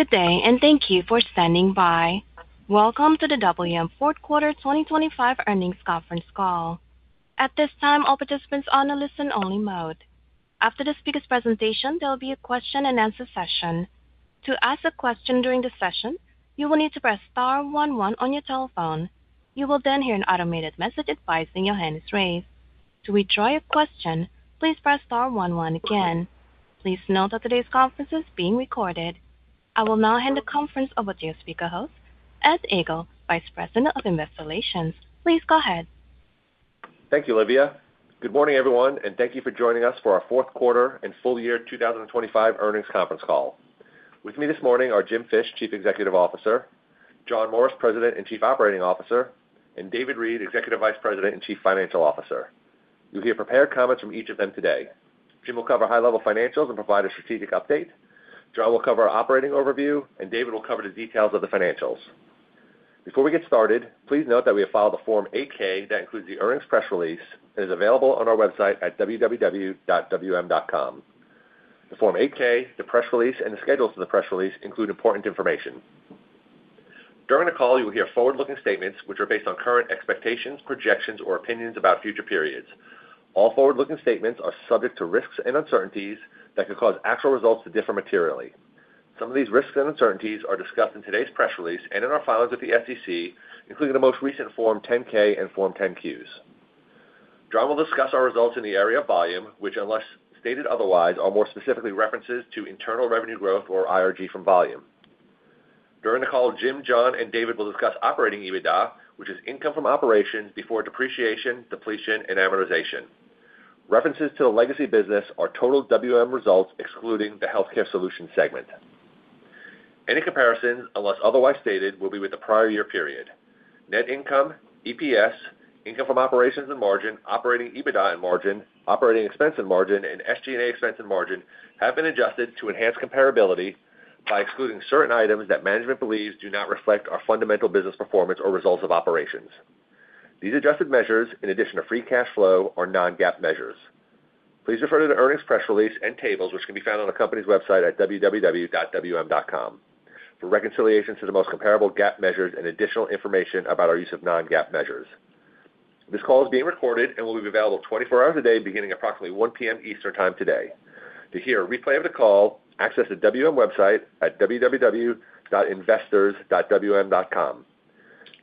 Good day, and thank you for standing by. Welcome to the WM fourth quarter 2025 earnings conference call. At this time, all participants are on a listen-only mode. After the speaker's presentation, there will be a question-and-answer session. To ask a question during the session, you will need to press star one one on your telephone. You will then hear an automated message advising your hand is raised. To withdraw your question, please press star one one again. Please note that today's conference is being recorded. I will now hand the conference over to your speaker host, Ed Egl, Vice President of Investor Relations. Please go ahead. Thank you, Livia. Good morning, everyone, and thank you for joining us for our fourth quarter and full-year 2025 earnings conference call. With me this morning are Jim Fish, Chief Executive Officer; John Morris, President and Chief Operating Officer; and David Reed, Executive Vice President and Chief Financial Officer. You'll hear prepared comments from each of them today. Jim will cover high-level financials and provide a strategic update. John will cover our operating overview, and David will cover the details of the financials. Before we get started, please note that we have filed a Form 8-K that includes the earnings press release and is available on our website at www.wm.com. The Form 8-K, the press release, and the schedules for the press release include important information. During the call, you will hear forward-looking statements, which are based on current expectations, projections, or opinions about future periods. All forward-looking statements are subject to risks and uncertainties that could cause actual results to differ materially. Some of these risks and uncertainties are discussed in today's press release and in our filings with the SEC, including the most recent Form 10-K and Form 10-Qs. John will discuss our results in the area of volume, which, unless stated otherwise, are more specifically references to internal revenue growth or IRG from volume. During the call, Jim, John, and David will discuss Operating EBITDA, which is income from operations before depreciation, depletion, and amortization. References to the legacy business are total WM results, excluding the Healthcare Solutions segment. Any comparisons, unless otherwise stated, will be with the prior year period. Net income, EPS, income from operations and margin, operating EBITDA and margin, operating expense and margin, and SG&A expense and margin have been adjusted to enhance comparability by excluding certain items that management believes do not reflect our fundamental business performance or results of operations. These adjusted measures, in addition to free cash flow, are non-GAAP measures. Please refer to the earnings press release and tables, which can be found on the company's website at www.wm.com, for reconciliation to the most comparable GAAP measures and additional information about our use of non-GAAP measures. This call is being recorded and will be available 24 hours a day, beginning approximately 1 P.M. Eastern Time today. To hear a replay of the call, access the WM website at www.investors.wm.com.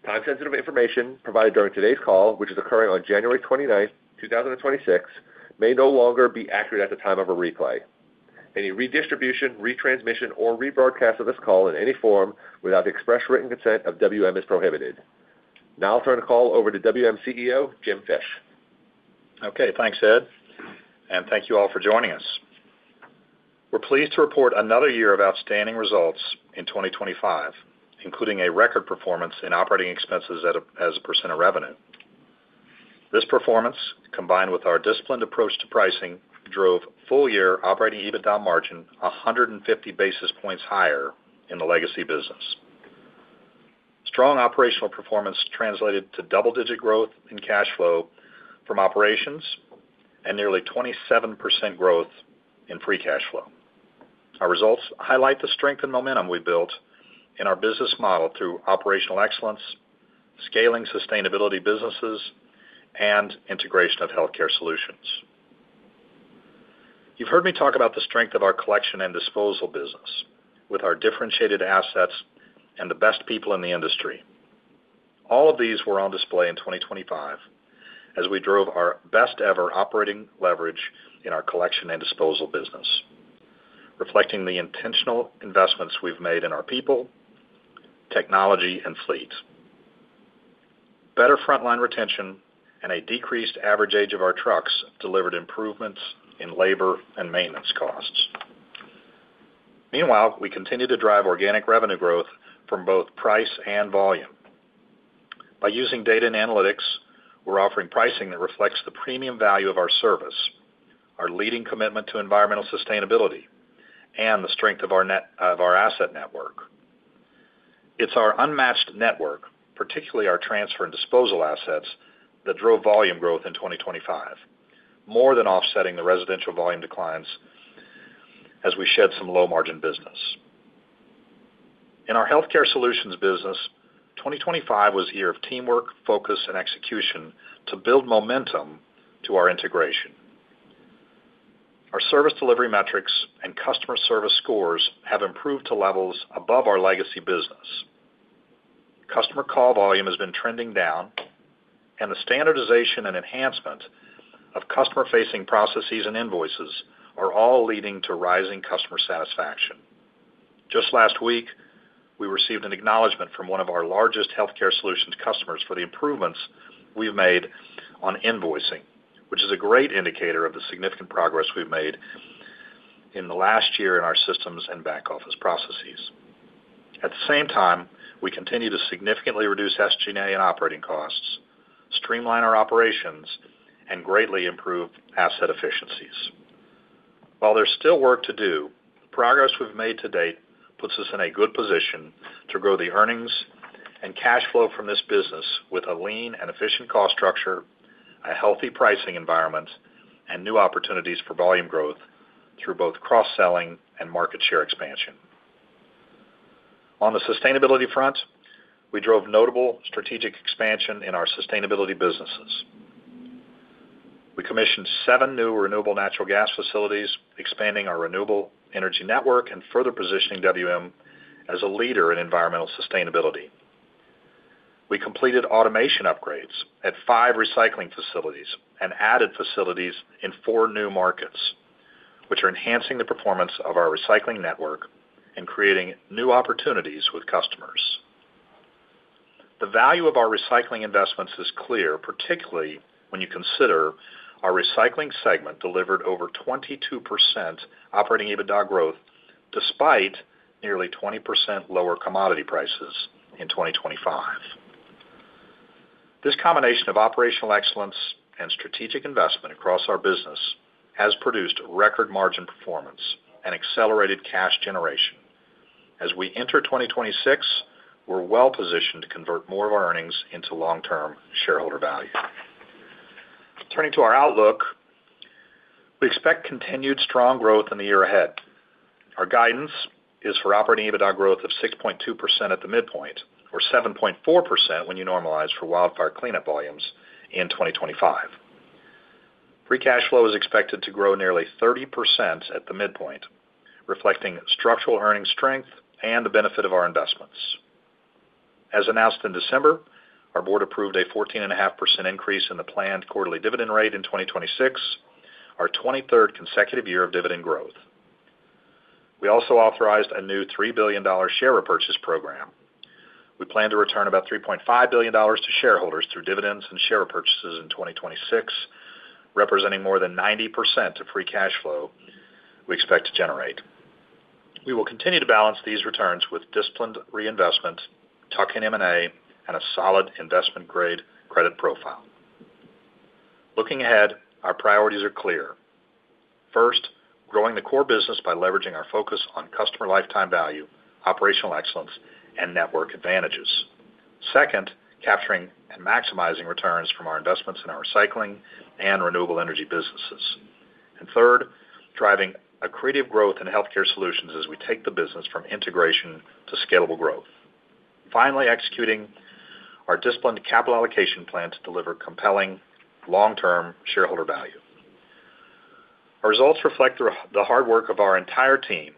Time-sensitive information provided during today's call, which is occurring on January 29th, 2026, may no longer be accurate at the time of a replay. Any redistribution, retransmission, or rebroadcast of this call in any form without the express written consent of WM is prohibited. Now I'll turn the call over to WM CEO, Jim Fish. Okay. Thanks, Ed, and thank you all for joining us. We're pleased to report another year of outstanding results in 2025, including a record performance in operating expenses as a percent of revenue. This performance, combined with our disciplined approach to pricing, drove full-year Operating EBITDA margin 150 basis points higher in the legacy business. Strong operational performance translated to double-digit growth in cash flow from operations and nearly 27% growth in free cash flow. Our results highlight the strength and momentum we built in our business model through operational excellence, scaling sustainability businesses, and integration of Healthcare Solutions. You've heard me talk about the strength of our Collection and Disposal business with our differentiated assets and the best people in the industry. All of these were on display in 2025 as we drove our best ever operating leverage in our Collection and Disposal business, reflecting the intentional investments we've made in our people, technology, and fleet. Better frontline retention and a decreased average age of our trucks delivered improvements in labor and maintenance costs. Meanwhile, we continue to drive organic revenue growth from both price and volume. By using data and analytics, we're offering pricing that reflects the premium value of our service, our leading commitment to environmental sustainability, and the strength of our network. It's our unmatched network, particularly our transfer and disposal assets, that drove volume growth in 2025, more than offsetting the residential volume declines as we shed some low-margin business. In our Healthcare Solutions business, 2025 was a year of teamwork, focus, and execution to build momentum to our integration. Our service delivery metrics and customer service scores have improved to levels above our legacy business. Customer call volume has been trending down, and the standardization and enhancement of customer-facing processes and invoices are all leading to rising customer satisfaction. Just last week, we received an acknowledgment from one of our largest Healthcare Solutions customers for the improvements we've made on invoicing, which is a great indicator of the significant progress we've made in the last year in our systems and back-office processes. At the same time, we continue to significantly reduce SG&A and operating costs, streamline our operations, and greatly improve asset efficiencies. While there's still work to do, progress we've made to date puts us in a good position to grow the earnings and cash flow from this business with a lean and efficient cost structure... A healthy pricing environment, and new opportunities for volume growth through both cross-selling and market share expansion. On the sustainability front, we drove notable strategic expansion in our sustainability businesses. We commissioned 7 new renewable natural gas facilities, expanding our renewable energy network and further positioning WM as a leader in environmental sustainability. We completed automation upgrades at 5 Recycling facilities and added facilities in 4 new markets, which are enhancing the performance of our Recycling network and creating new opportunities with customers. The value of our Recycling investments is clear, particularly when you consider our Recycling segment delivered over 22% Operating EBITDA growth, despite nearly 20% lower commodity prices in 2025. This combination of operational excellence and strategic investment across our business has produced record margin performance and accelerated cash generation. As we enter 2026, we're well positioned to convert more of our earnings into long-term shareholder value. Turning to our outlook, we expect continued strong growth in the year ahead. Our guidance is for Operating EBITDA growth of 6.2% at the midpoint, or 7.4% when you normalize for wildfire cleanup volumes in 2025. Free cash flow is expected to grow nearly 30% at the midpoint, reflecting structural earnings strength and the benefit of our investments. As announced in December, our Board approved a 14.5% increase in the planned quarterly dividend rate in 2026, our 23rd consecutive year of dividend growth. We also authorized a new $3 billion share repurchase program. We plan to return about $3.5 billion to shareholders through dividends and share repurchases in 2026, representing more than 90% of free cash flow we expect to generate. We will continue to balance these returns with disciplined reinvestment, tuck-in M&A, and a solid investment-grade credit profile. Looking ahead, our priorities are clear. First, growing the core business by leveraging our focus on customer lifetime value, operational excellence, and network advantages. Second, capturing and maximizing returns from our investments in our Recycling and Renewable Energy businesses. And third, driving accretive growth in healthcare solutions as we take the business from integration to scalable growth. Finally, executing our disciplined capital allocation plan to deliver compelling long-term shareholder value. Our results reflect the hard work of our entire team,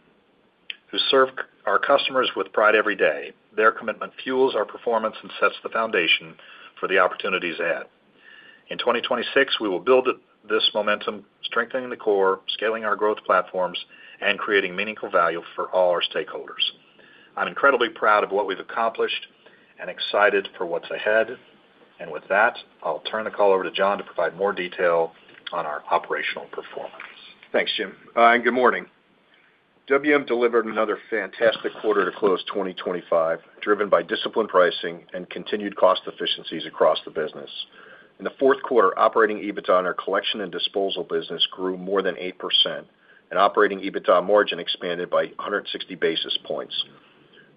who serve our customers with pride every day. Their commitment fuels our performance and sets the foundation for the opportunities ahead. In 2026, we will build up this momentum, strengthening the core, scaling our growth platforms, and creating meaningful value for all our stakeholders. I'm incredibly proud of what we've accomplished and excited for what's ahead. With that, I'll turn the call over to John to provide more detail on our operational performance. Thanks, Jim, and good morning. WM delivered another fantastic quarter to close 2025, driven by disciplined pricing and continued cost efficiencies across the business. In the fourth quarter, Operating EBITDA on our Collection and Disposal business grew more than 8%, and Operating EBITDA margin expanded by 160 basis points,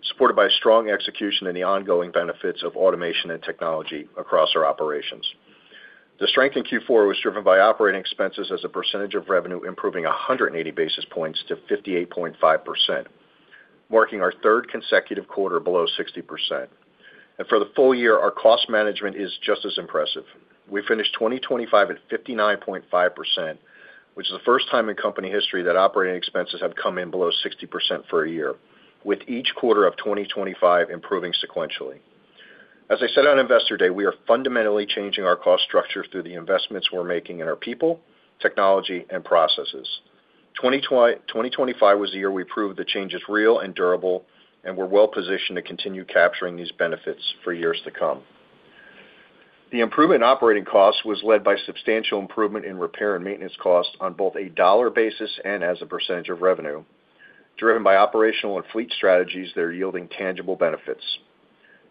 supported by strong execution and the ongoing benefits of automation and technology across our operations. The strength in Q4 was driven by operating expenses as a percentage of revenue, improving 180 basis points to 58.5%, marking our third consecutive quarter below 60%. For the full year, our cost management is just as impressive. We finished 2025 at 59.5%, which is the first time in company history that operating expenses have come in below 60% for a year, with each quarter of 2025 improving sequentially. As I said on Investor Day, we are fundamentally changing our cost structure through the investments we're making in our people, technology, and processes. 2025 was the year we proved the change is real and durable, and we're well positioned to continue capturing these benefits for years to come. The improvement in operating costs was led by substantial improvement in repair and maintenance costs on both a dollar basis and as a percentage of revenue, driven by operational and fleet strategies that are yielding tangible benefits.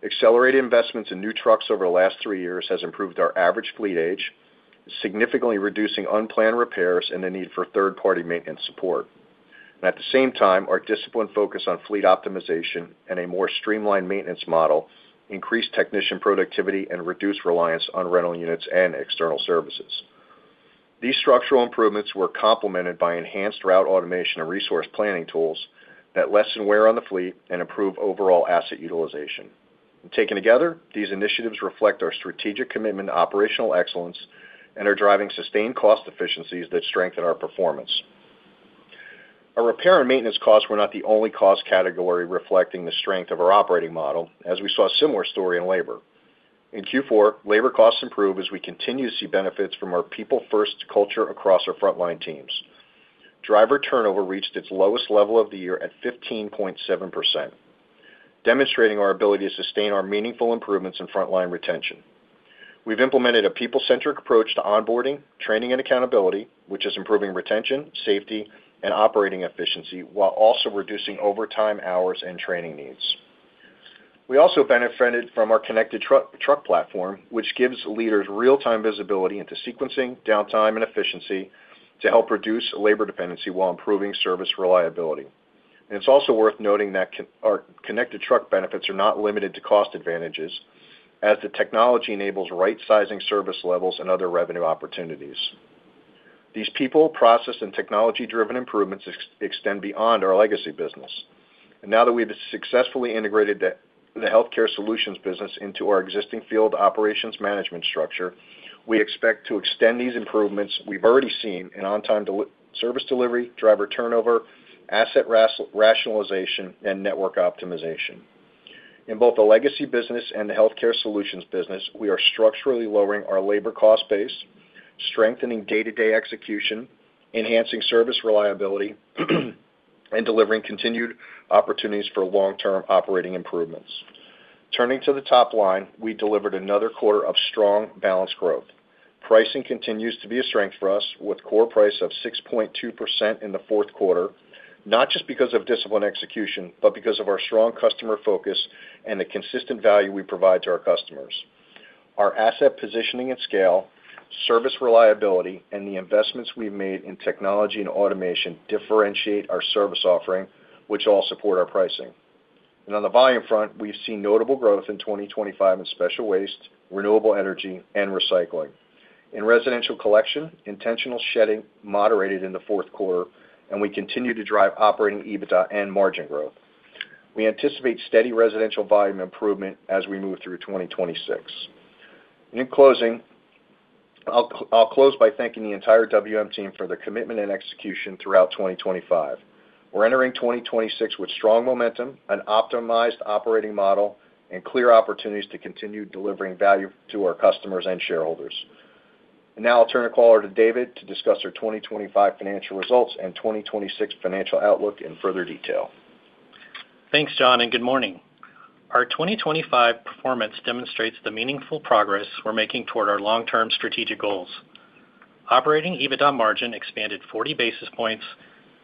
Accelerated investments in new trucks over the last three years has improved our average fleet age, significantly reducing unplanned repairs and the need for third-party maintenance support. At the same time, our disciplined focus on fleet optimization and a more streamlined maintenance model increased technician productivity and reduced reliance on rental units and external services. These structural improvements were complemented by enhanced route automation and resource planning tools that lessen wear on the fleet and improve overall asset utilization. Taken together, these initiatives reflect our strategic commitment to operational excellence and are driving sustained cost efficiencies that strengthen our performance. Our repair and maintenance costs were not the only cost category reflecting the strength of our operating model, as we saw a similar story in labor. In Q4, labor costs improved as we continue to see benefits from our people-first culture across our frontline teams. Driver turnover reached its lowest level of the year at 15.7%, demonstrating our ability to sustain our meaningful improvements in frontline retention. We've implemented a people-centric approach to onboarding, training, and accountability, which is improving retention, safety, and operating efficiency, while also reducing overtime hours and training needs. We also benefited from our connected truck platform, which gives leaders real-time visibility into sequencing, downtime, and efficiency to help reduce labor dependency while improving service reliability. It's also worth noting that our connected truck benefits are not limited to cost advantages, as the technology enables right-sizing service levels and other revenue opportunities. These people, process, and technology-driven improvements extend beyond our legacy business. And now that we've successfully integrated the Healthcare Solutions business into our existing field operations management structure, we expect to extend these improvements we've already seen in on-time service delivery, driver turnover, asset rationalization, and network optimization. In both the legacy business and the Healthcare Solutions business, we are structurally lowering our labor cost base, strengthening day-to-day execution, enhancing service reliability, and delivering continued opportunities for long-term operating improvements. Turning to the top line, we delivered another quarter of strong, balanced growth. Pricing continues to be a strength for us, with core price of 6.2% in the fourth quarter, not just because of disciplined execution, but because of our strong customer focus and the consistent value we provide to our customers. Our asset positioning and scale, service reliability, and the investments we've made in technology and automation differentiate our service offering, which all support our pricing. On the volume front, we've seen notable growth in 2025 in special waste, renewable energy, and Recycling. In residential collection, intentional shedding moderated in the fourth quarter, and we continue to drive operating EBITDA and margin growth. We anticipate steady residential volume improvement as we move through 2026. In closing, I'll close by thanking the entire WM team for their commitment and execution throughout 2025. We're entering 2026 with strong momentum, an optimized operating model, and clear opportunities to continue delivering value to our customers and shareholders. Now I'll turn the call over to David to discuss our 2025 financial results and 2026 financial outlook in further detail. Thanks, John, and good morning. Our 2025 performance demonstrates the meaningful progress we're making toward our long-term strategic goals. Operating EBITDA margin expanded 40 basis points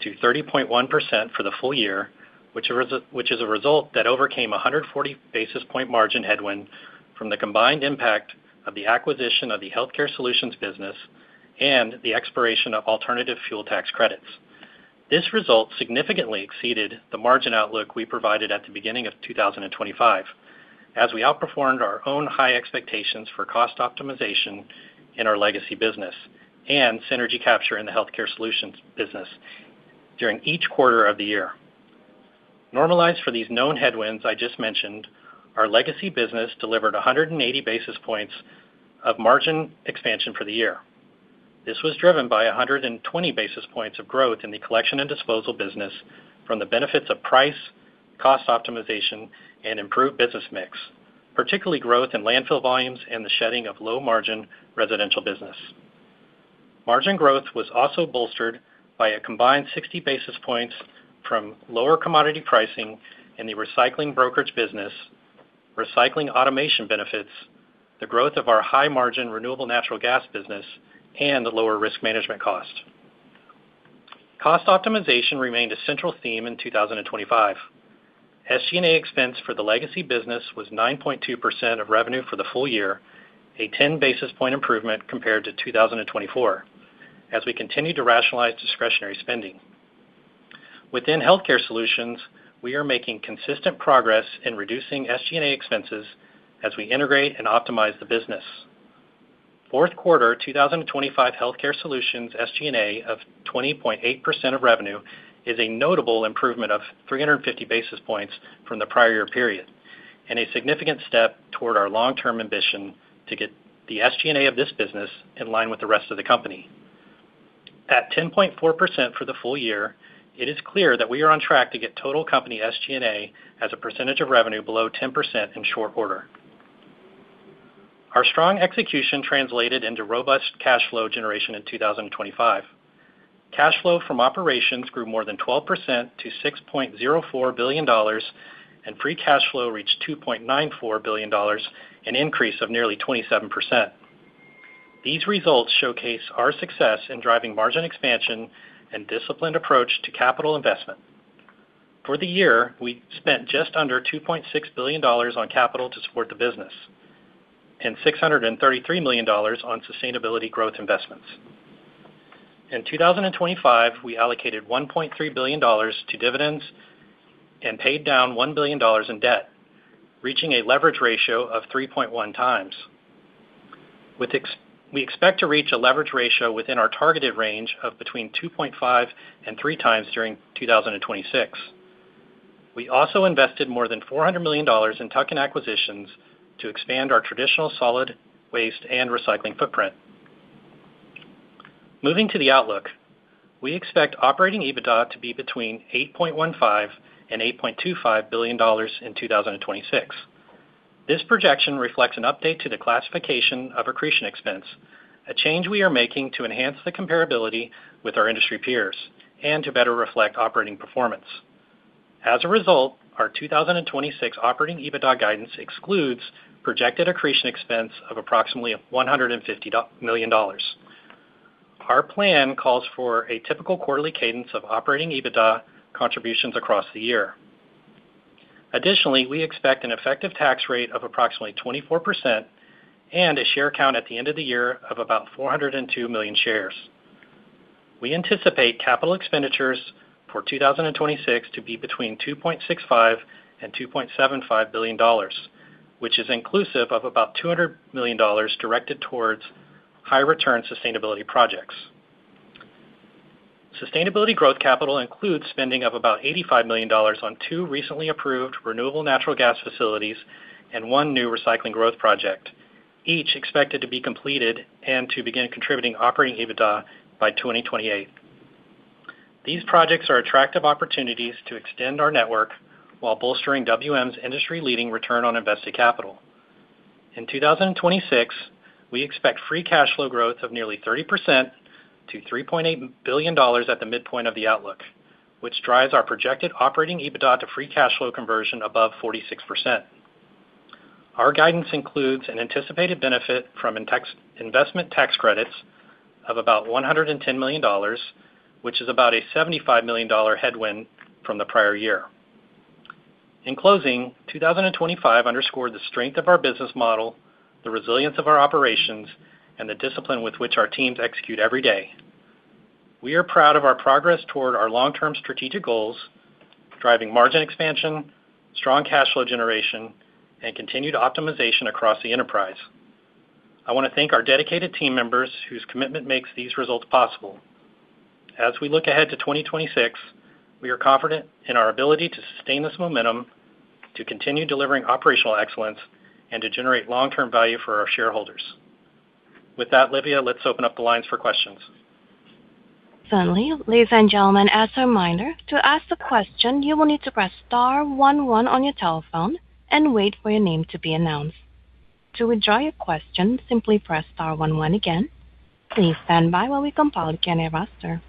to 30.1% for the full year, which is a result that overcame a 140 basis point margin headwind from the combined impact of the acquisition of the Healthcare Solutions business and the expiration of alternative fuel tax credits. This result significantly exceeded the margin outlook we provided at the beginning of 2025, as we outperformed our own high expectations for cost optimization in our legacy business and synergy capture in the Healthcare Solutions business during each quarter of the year. Normalized for these known headwinds I just mentioned, our legacy business delivered 180 basis points of margin expansion for the year. This was driven by 120 basis points of growth in the Collection and Disposal business from the benefits of price, cost optimization, and improved business mix, particularly growth in landfill volumes and the shedding of low-margin residential business. Margin growth was also bolstered by a combined 60 basis points from lower commodity pricing in the Recycling brokerage business, Recycling automation benefits, the growth of our high-margin renewable natural gas business, and the lower risk management cost. Cost optimization remained a central theme in 2025. SG&A expense for the legacy business was 9.2% of revenue for the full year, a 10 basis point improvement compared to 2024, as we continued to rationalize discretionary spending. Within Healthcare Solutions, we are making consistent progress in reducing SG&A expenses as we integrate and optimize the business. Fourth quarter 2025 Healthcare Solutions SG&A of 20.8% of revenue is a notable improvement of 350 basis points from the prior year period, and a significant step toward our long-term ambition to get the SG&A of this business in line with the rest of the company. At 10.4% for the full year, it is clear that we are on track to get total company SG&A as a percentage of revenue below 10% in short order. Our strong execution translated into robust cash flow generation in 2025. Cash flow from operations grew more than 12% to $6.04 billion, and free cash flow reached $2.94 billion, an increase of nearly 27%. These results showcase our success in driving margin expansion and disciplined approach to capital investment. For the year, we spent just under $2.6 billion on capital to support the business, and $633 million on sustainability growth investments. In 2025, we allocated $1.3 billion to dividends and paid down $1 billion in debt, reaching a leverage ratio of 3.1x. We expect to reach a leverage ratio within our targeted range of between 2.5x and 3x during 2026. We also invested more than $400 million in tuck-in acquisitions to expand our traditional solid waste and Recycling footprint. Moving to the outlook, we expect operating EBITDA to be between $8.15 billion and $8.25 billion in 2026. This projection reflects an update to the classification of accretion expense, a change we are making to enhance the comparability with our industry peers and to better reflect operating performance. As a result, our 2026 operating EBITDA guidance excludes projected accretion expense of approximately $150 million. Our plan calls for a typical quarterly cadence of operating EBITDA contributions across the year. Additionally, we expect an effective tax rate of approximately 24% and a share count at the end of the year of about 402 million shares. We anticipate capital expenditures for 2026 to be between $2.65 billion-$2.75 billion, which is inclusive of about $200 million directed towards high return sustainability projects. Sustainability growth capital includes spending of about $85 million on two recently approved renewable natural gas facilities and one new Recycling growth project, each expected to be completed and to begin contributing operating EBITDA by 2028. These projects are attractive opportunities to extend our network while bolstering WM's industry-leading return on invested capital. In 2026, we expect free cash flow growth of nearly 30% to $3.8 billion at the midpoint of the outlook, which drives our projected operating EBITDA to free cash flow conversion above 46%. Our guidance includes an anticipated benefit from investment tax credits of about $110 million, which is about a $75 million headwind from the prior year. In closing, 2025 underscored the strength of our business model, the resilience of our operations, and the discipline with which our teams execute every day. We are proud of our progress toward our long-term strategic goals, driving margin expansion, strong cash flow generation, and continued optimization across the enterprise. I want to thank our dedicated team members, whose commitment makes these results possible. As we look ahead to 2026, we are confident in our ability to sustain this momentum, to continue delivering operational excellence, and to generate long-term value for our shareholders. With that, Livia, let's open up the lines for questions. Finally, ladies and gentlemen, as a reminder, to ask a question, you will need to press star one one on your telephone and wait for your name to be announced. To withdraw your question, simply press star one one again. Please stand by while we compile Q&A roster.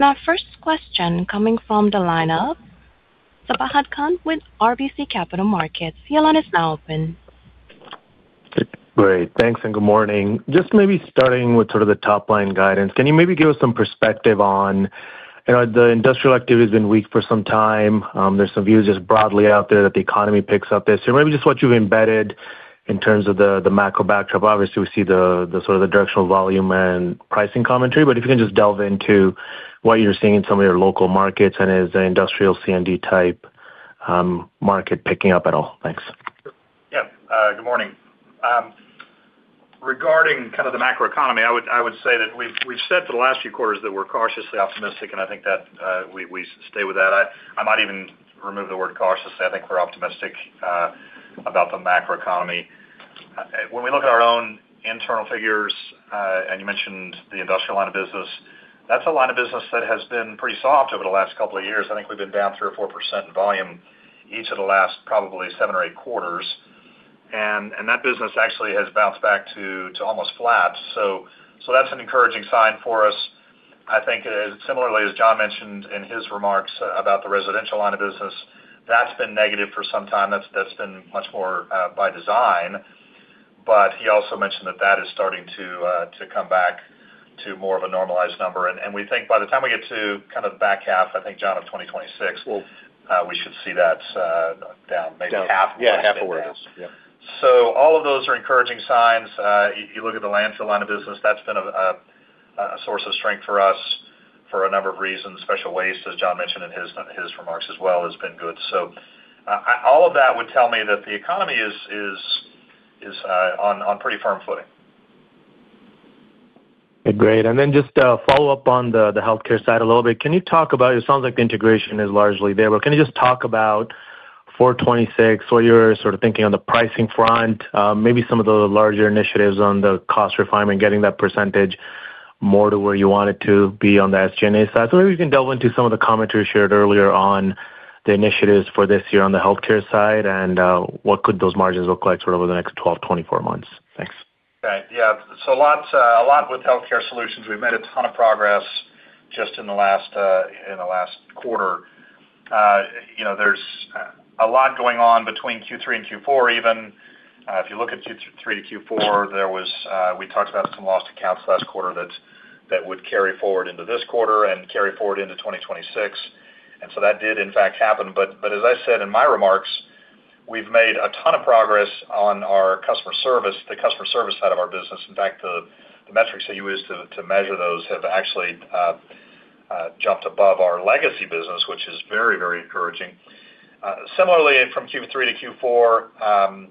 Our first question coming from the line of Sabahat Khan with RBC Capital Markets. Your line is now open. Great. Thanks, and good morning. Just maybe starting with sort of the top-line guidance, can you maybe give us some perspective on, you know, the industrial activity has been weak for some time. There's some views just broadly out there that the economy picks up there. So maybe just what you've embedded in terms of the, the macro backdrop. Obviously, we see the, the sort of the directional volume and pricing commentary, but if you can just delve into what you're seeing in some of your local markets and is the industrial C&D type market picking up at all? Thanks. Yeah. Good morning. Regarding kind of the macroeconomy, I would say that we've said for the last few quarters that we're cautiously optimistic, and I think that we stay with that. I might even remove the word cautious. I think we're optimistic about the macroeconomy. When we look at our own internal figures, and you mentioned the industrial line of business, that's a line of business that has been pretty soft over the last couple of years. I think we've been down 3% or 4% in volume, each of the last probably seven or eight quarters. And that business actually has bounced back to almost flat. So that's an encouraging sign for us. I think, similarly, as John mentioned in his remarks about the residential line of business, that's been negative for some time. That's, that's been much more by design. But he also mentioned that that is starting to to come back to more of a normalized number. And, and we think by the time we get to kind of the back half, I think, John, of 2026- Well, we should see that down maybe half. Yeah, half of where it is. Yeah. So all of those are encouraging signs. You look at the landfill line of business, that's been a source of strength for us for a number of reasons. Special waste, as John mentioned in his remarks as well, has been good. So, all of that would tell me that the economy is on pretty firm footing. Great. And then just a follow-up on the Healthcare side a little bit. Can you talk about... It sounds like the integration is largely there, but can you just talk about for 2026, what you're sort of thinking on the pricing front, maybe some of the larger initiatives on the cost refinement, getting that percentage more to where you want it to be on the SG&A side? So maybe you can delve into some of the commentary you shared earlier on the initiatives for this year on the Healthcare side, and what could those margins look like sort of over the next 12, 24 months? Thanks. Okay. Yeah. So a lot, a lot with Healthcare Solutions. We've made a ton of progress just in the last, in the last quarter. You know, there's a lot going on between Q3 and Q4. Even, if you look at Q3 to Q4, there was, we talked about some lost accounts last quarter that, that would carry forward into this quarter and carry forward into 2026, and so that did in fact happen. But, but as I said in my remarks, we've made a ton of progress on our customer service, the customer service side of our business. In fact, the metrics that you use to, to measure those have actually, jumped above our legacy business, which is very, very encouraging. Similarly, from Q3 to Q4,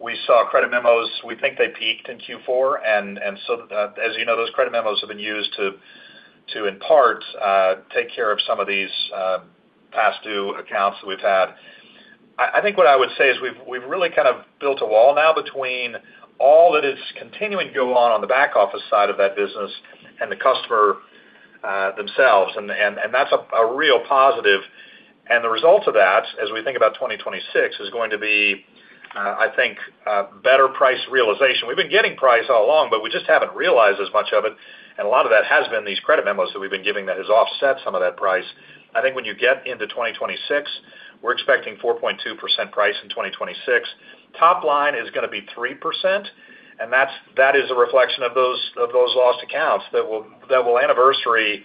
we saw credit memos. We think they peaked in Q4. As you know, those credit memos have been used to, in part, take share of some of these past due accounts that we've had. I think what I would say is we've really kind of built a wall now between all that is continuing to go on on the back office side of that business and the customer themselves, and that's a real positive. And the result of that, as we think about 2026, is going to be, I think, better price realization. We've been getting price all along, but we just haven't realized as much of it, and a lot of that has been these credit memos that we've been giving that has offset some of that price. I think when you get into 2026-... We're expecting 4.2% price in 2026. Top line is gonna be 3%, and that's, that is a reflection of those, of those lost accounts that will, that will anniversary,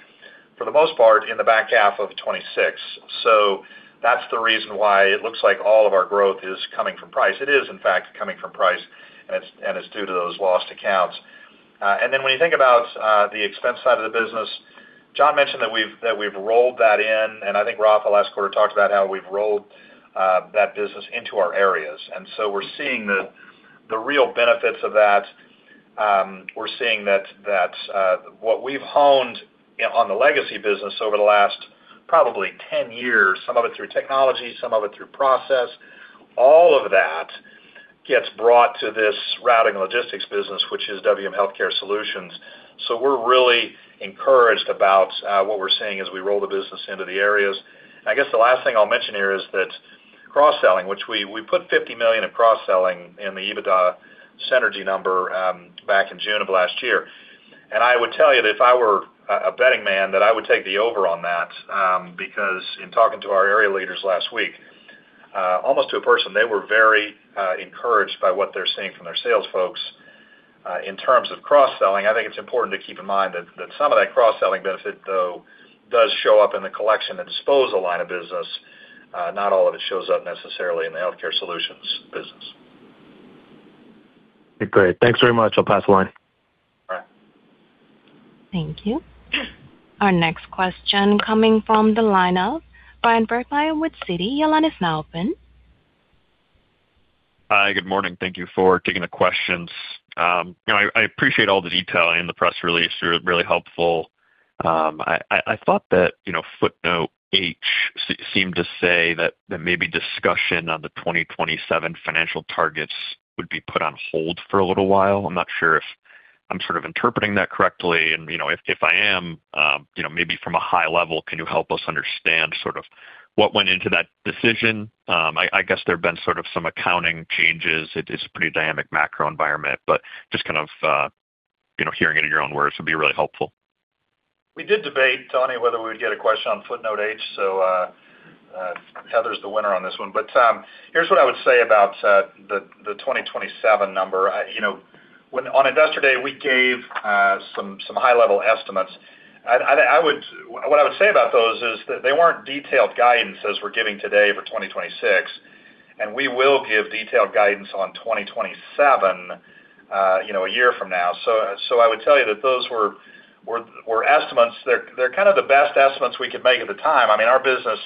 for the most part, in the back half of 2026. So that's the reason why it looks like all of our growth is coming from price. It is, in fact, coming from price, and it's, and it's due to those lost accounts. And then when you think about the expense side of the business, John mentioned that we've, that we've rolled that in, and I think Rafael, last quarter, talked about how we've rolled that business into our areas. And so we're seeing the real benefits of that. We're seeing that what we've honed on the legacy business over the last probably 10 years, some of it through technology, some of it through process, all of that gets brought to this routing and logistics business, which is WM Healthcare Solutions. So we're really encouraged about what we're seeing as we roll the business into the areas. I guess the last thing I'll mention here is that cross-selling, which we put $50 million in cross-selling in the EBITDA synergy number, back in June of last year. And I would tell you that if I were a betting man, that I would take the over on that, because in talking to our area leaders last week, almost to a person, they were very encouraged by what they're seeing from their sales folks in terms of cross-selling. I think it's important to keep in mind that, that some of that cross-selling benefit, though, does show up in the Collection and Disposal line of business. Not all of it shows up necessarily in the Healthcare Solutions business. Great. Thanks very much. I'll pass the line. All right. Thank you. Our next question coming from the line of Bryan Burgmeier with Citi. Your line is now open. Hi, good morning. Thank you for taking the questions. You know, I appreciate all the detail in the press release, really helpful. I thought that, you know, footnote H seemed to say that maybe discussion on the 2027 financial targets would be put on hold for a little while. I'm not sure if I'm sort of interpreting that correctly, and, you know, if I am, you know, maybe from a high level, can you help us understand sort of what went into that decision? I guess there have been sort of some accounting changes. It is a pretty dynamic macro environment, but just kind of, you know, hearing it in your own words would be really helpful. We did debate, Tony, whether we would get a question on footnote H, so Heather's the winner on this one. But here's what I would say about the 2027 number. You know, when on Investor Day, we gave some high-level estimates. I would... What I would say about those is that they weren't detailed guidance as we're giving today for 2026, and we will give detailed guidance on 2027, you know, a year from now. So I would tell you that those were estimates. They're kind of the best estimates we could make at the time. I mean, our business,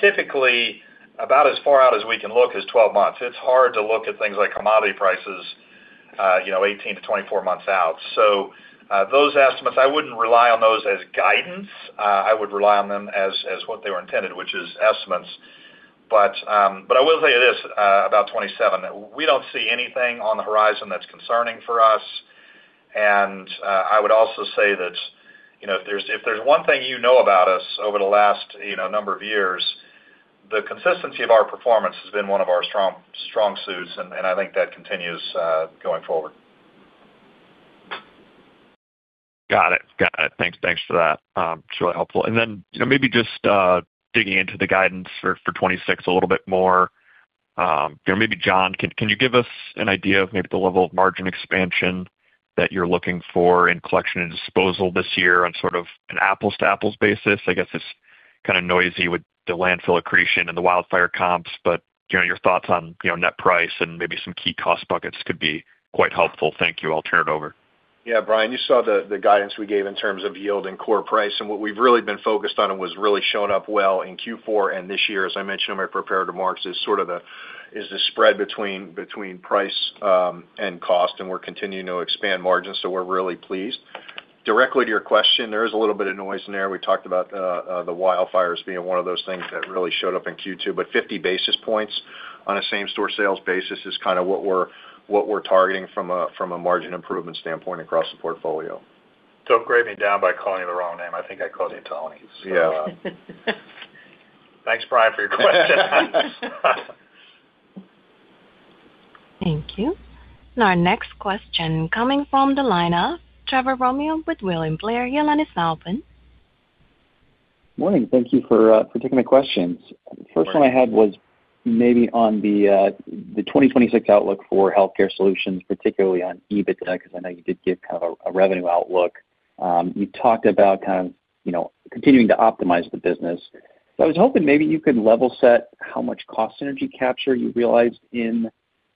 typically, about as far out as we can look is 12 months. It's hard to look at things like commodity prices, you know, 18-24 months out. So, those estimates, I wouldn't rely on those as guidance. I would rely on them as, as what they were intended, which is estimates. But, but I will say this, about 2027, we don't see anything on the horizon that's concerning for us, and, I would also say that, you know, if there's, if there's one thing you know about us over the last, you know, number of years, the consistency of our performance has been one of our strong, strong suits, and, and I think that continues, going forward. Got it. Got it. Thanks. Thanks for that. It's really helpful. And then, you know, maybe just digging into the guidance for 2026 a little bit more. You know, maybe, John, can you give us an idea of maybe the level of margin expansion that you're looking for in Collection and Disposal this year on sort of an apples-to-apples basis? I guess it's kind of noisy with the landfill accretion and the wildfire comps, but, you know, your thoughts on, you know, net price and maybe some key cost buckets could be quite helpful. Thank you. I'll turn it over. Yeah, Bryan, you saw the guidance we gave in terms of yield and core price. And what we've really been focused on and was really shown up well in Q4 and this year, as I mentioned in my prepared remarks, is sort of the spread between price and cost, and we're continuing to expand margins, so we're really pleased. Directly to your question, there is a little bit of noise in there. We talked about the wildfires being one of those things that really showed up in Q2, but 50 basis points on a same-store sales basis is kind of what we're targeting from a margin improvement standpoint across the portfolio. Don't grade me down by calling me the wrong name. I think I called you Tony. Yeah. Thanks, Bryan, for your question. Thank you. Our next question coming from the line of Trevor Romeo with William Blair. Your line is now open. Morning. Thank you for taking the questions. First one I had was maybe on the 2026 outlook for Healthcare Solutions, particularly on EBITDA, because I know you did give kind of a revenue outlook. You talked about kind of, you know, continuing to optimize the business. I was hoping maybe you could level set how much cost synergy capture you realized in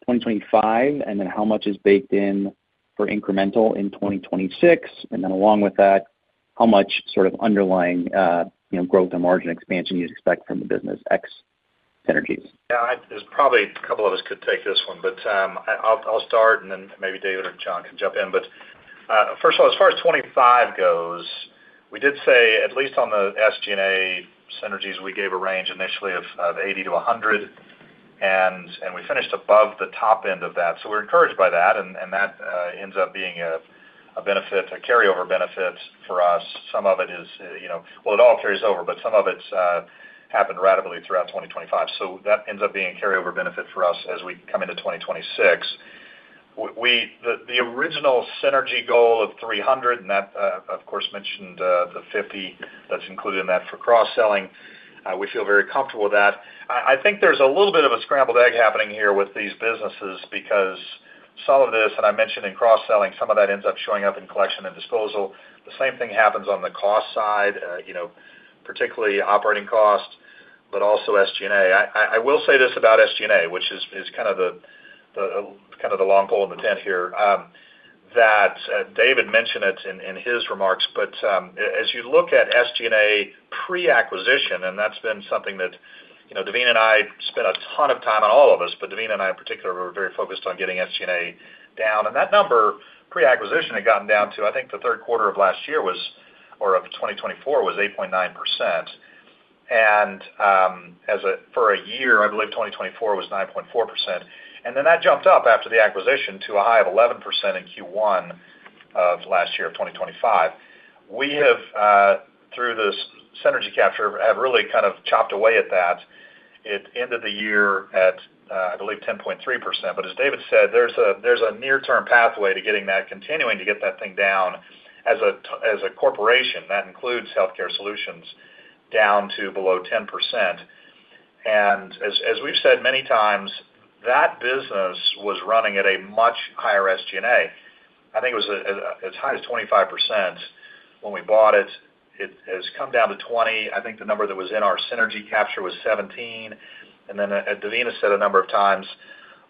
2025, and then how much is baked in for incremental in 2026. And then along with that, how much sort of underlying, you know, growth and margin expansion you'd expect from the business, ex synergies? Yeah, there's probably a couple of us could take this one, but I'll start, and then maybe David or John can jump in. But first of all, as far as 2025 goes, we did say, at least on the SG&A synergies, we gave a range initially of 80-100, and we finished above the top end of that. So we're encouraged by that, and that ends up being a benefit, a carryover benefit for us. Some of it is, you know... Well, it all carries over, but some of it's happened ratably throughout 2025. So that ends up being a carryover benefit for us as we come into 2026. We – the original synergy goal of 300, and that, of course, mentioned the 50 that's included in that for cross-selling, we feel very comfortable with that. I think there's a little bit of a scrambled egg happening here with these businesses because some of this, and I mentioned in cross-selling, some of that ends up showing up in Collection and Disposal. The same thing happens on the cost side, you know, particularly operating costs, but also SG&A. I will say this about SG&A, which is kind of the long pole in the tent here, that David mentioned it in his remarks, but as you look at SG&A pre-acquisition, and that's been something that, you know, Devina and I spent a ton of time on all of this, but Devina and I, in particular, were very focused on getting SG&A down. And that number, pre-acquisition, had gotten down to, I think, the third quarter of last year was, or of 2024, was 8.9%. And as for a year, I believe 2024 was 9.4%. And then that jumped up after the acquisition to a high of 11% in Q1 of last year, of 2025. We have, through this synergy capture, have really kind of chopped away at that. It ended the year at, I believe, 10.3%. But as David said, there's a, there's a near-term pathway to getting that... continuing to get that thing down as a t- as a corporation, that includes Healthcare Solutions, down to below 10%. And as, as we've said many times, that business was running at a much higher SG&A. I think it was, as high as 25% when we bought it. It has come down to 20. I think the number that was in our synergy capture was 17. And then, as Devina said a number of times,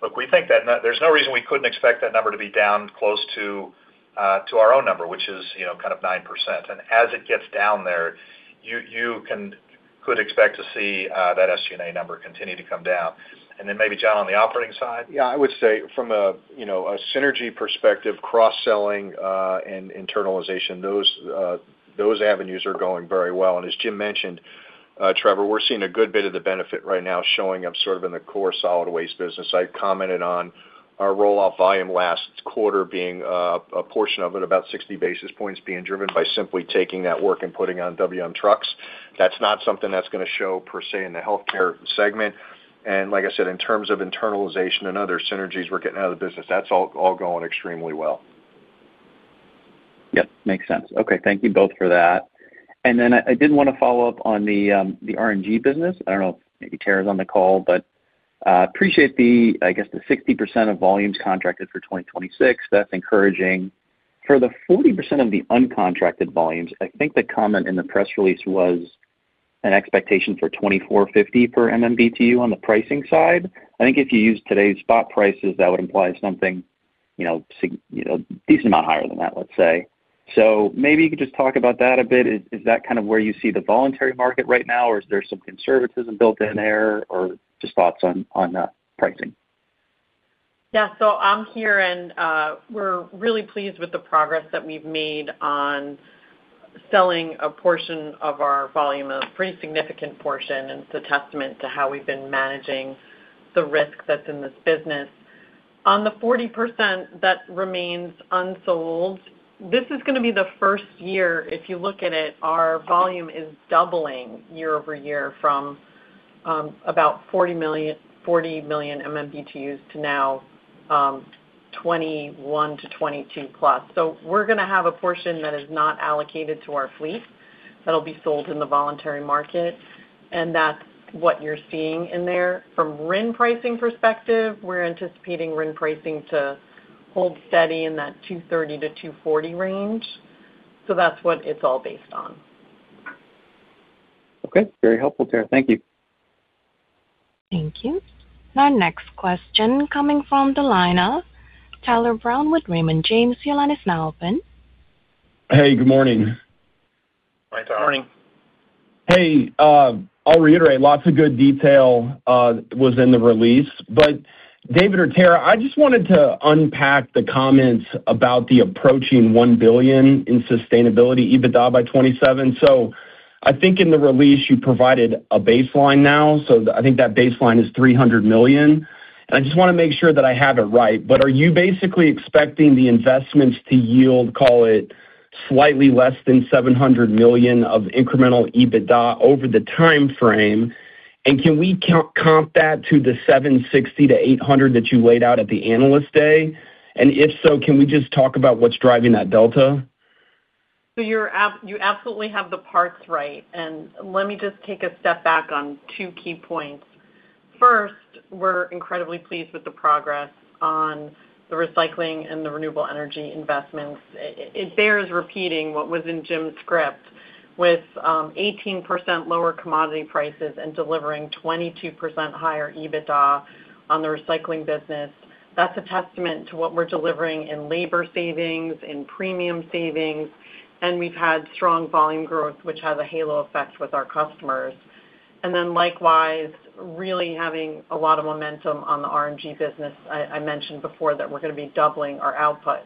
look, we think that n- there's no reason we couldn't expect that number to be down close to, to our own number, which is, you know, kind of 9%. And as it gets down there, you could expect to see that SG&A number continue to come down. And then maybe, John, on the operating side? Yeah, I would say from a, you know, a synergy perspective, cross-selling, and internalization, those, those avenues are going very well. And as Jim mentioned, Trevor, we're seeing a good bit of the benefit right now showing up sort of in the core solid waste business. I commented on our roll-off volume last quarter being, a portion of it, about 60 basis points being driven by simply taking that work and putting it on WM trucks. That's not something that's gonna show, per se, in the Healthcare segment. And like I said, in terms of internalization and other synergies we're getting out of the business, that's all, all going extremely well. Yep, makes sense. Okay, thank you both for that. And then I did want to follow up on the RNG business. I don't know if maybe Tara's on the call, but appreciate the, I guess, the 60% of volumes contracted for 2026. That's encouraging. For the 40% of the uncontracted volumes, I think the comment in the press release was an expectation for $24.50 per MMBtu on the pricing side. I think if you use today's spot prices, that would imply something, you know, a decent amount higher than that, let's say. So maybe you could just talk about that a bit. Is that kind of where you see the voluntary market right now, or is there some conservatism built in there, or just thoughts on pricing? Yeah, so I'm here, and, we're really pleased with the progress that we've made on selling a portion of our volume, a pretty significant portion, and it's a testament to how we've been managing the risk that's in this business. On the 40% that remains unsold, this is gonna be the first year, if you look at it, our volume is doubling year-over-year from about 40 million, 40 million MMBtu to now 21-22+. So we're gonna have a portion that is not allocated to our fleet that'll be sold in the voluntary market, and that's what you're seeing in there. From RIN pricing perspective, we're anticipating RIN pricing to hold steady in that $2.30-$2.40 range, so that's what it's all based on. Okay, very helpful, Tara. Thank you. Thank you. Our next question coming from the line of Tyler Brown with Raymond James. Your line is now open. Hey, good morning. Hi, Tyler. Morning. Hey, I'll reiterate, lots of good detail was in the release. But David or Tara, I just wanted to unpack the comments about the approaching $1 billion in sustainability EBITDA by 2027. So I think in the release, you provided a baseline now, so I think that baseline is $300 million, and I just wanna make sure that I have it right. But are you basically expecting the investments to yield, call it, slightly less than $700 million of incremental EBITDA over the timeframe? And can we count-- comp that to the $760 million-$800 million that you laid out at the Analyst Day? And if so, can we just talk about what's driving that delta? So you're absolutely have the parts right, and let me just take a step back on two key points. First, we're incredibly pleased with the progress on the Recycling and the renewable energy investments. It bears repeating what was in Jim's script, with 18% lower commodity prices and delivering 22% higher EBITDA on the Recycling business. That's a testament to what we're delivering in labor savings, in premium savings, and we've had strong volume growth, which has a halo effect with our customers. And then likewise, really having a lot of momentum on the RNG business. I mentioned before that we're gonna be doubling our output.